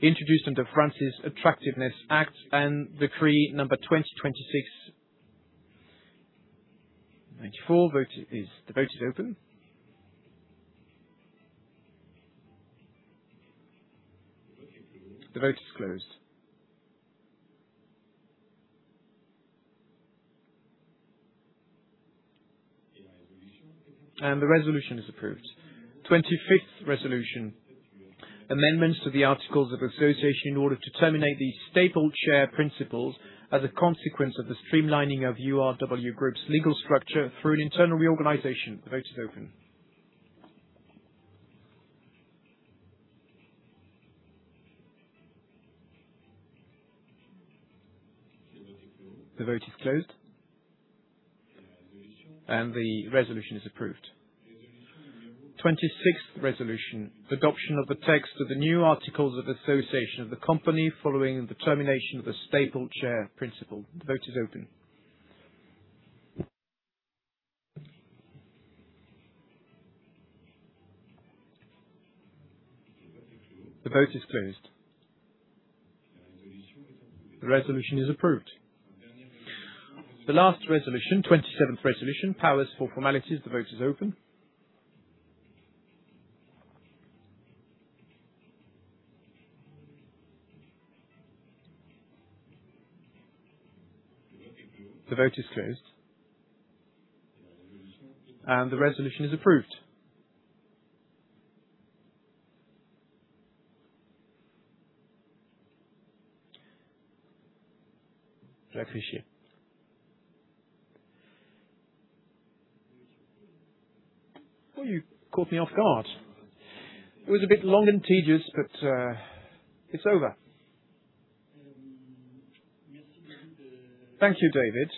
introduced under France's Attractiveness Act and Decree number 2026-94. The vote is open. The vote is closed. The resolution is approved. Twenty-fifth resolution, amendments to the Articles of Association in order to terminate the stapled share principles as a consequence of the streamlining of URW Group's legal structure through an internal reorganization. The vote is open. The vote is closed, and the resolution is approved. Twenty-sixth resolution. Adoption of the text of the new Articles of Association of the company following the termination of the stapled share principle. The vote is open. The vote is closed. The resolution is approved. The last resolution, twenty-seventh resolution, powers for formalities. The vote is open. The vote is closed, and the resolution is approved. Well, you caught me off guard. It was a bit long and tedious, but it's over. Thank you, David.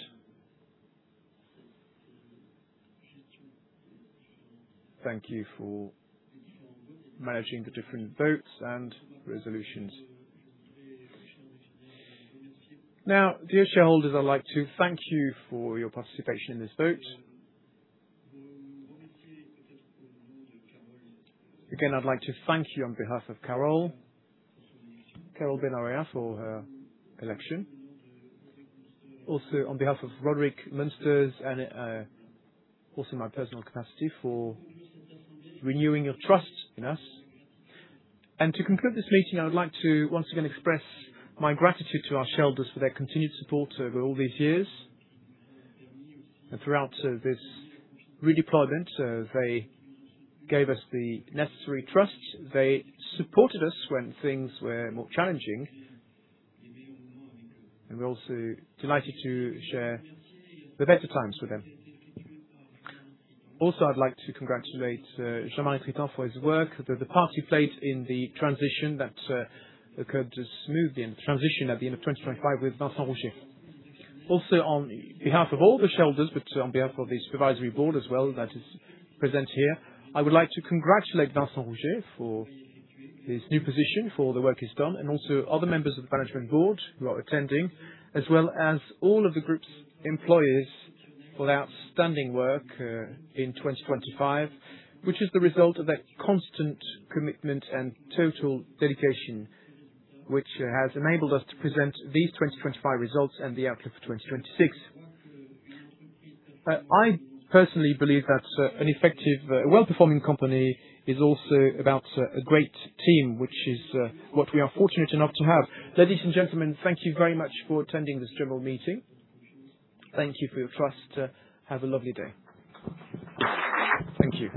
Thank you for managing the different votes and resolutions. Dear shareholders, I'd like to thank you for your participation in this vote. Again, I'd like to thank you on behalf of Carole Benaroya, for her election. Also, on behalf of Roderick Munsters and also my personal capacity for renewing your trust in us. To conclude this meeting, I would like to once again express my gratitude to our shareholders for their continued support over all these years. Throughout this redeployment, they gave us the necessary trust. They supported us when things were more challenging, and we're also delighted to share the better times with them. I'd like to congratulate Jean-Marie Tritant for his work, the part he played in the transition that occurred smoothly and the transition at the end of 2025 with Vincent Rouget. On behalf of all the shareholders, but on behalf of the supervisory board as well that is present here, I would like to congratulate Vincent Rouget for his new position, for the work he's done, and other members of the management board who are attending, as well as all of the group's employees for their outstanding work in 2025, which is the result of that constant commitment and total dedication, which has enabled us to present these 2025 results and the outlook for 2026. I personally believe that an effective, well-performing company is also about a great team, which is what we are fortunate enough to have. Ladies and gentlemen, thank you very much for attending this general meeting. Thank you for your trust. Have a lovely day. Thank you.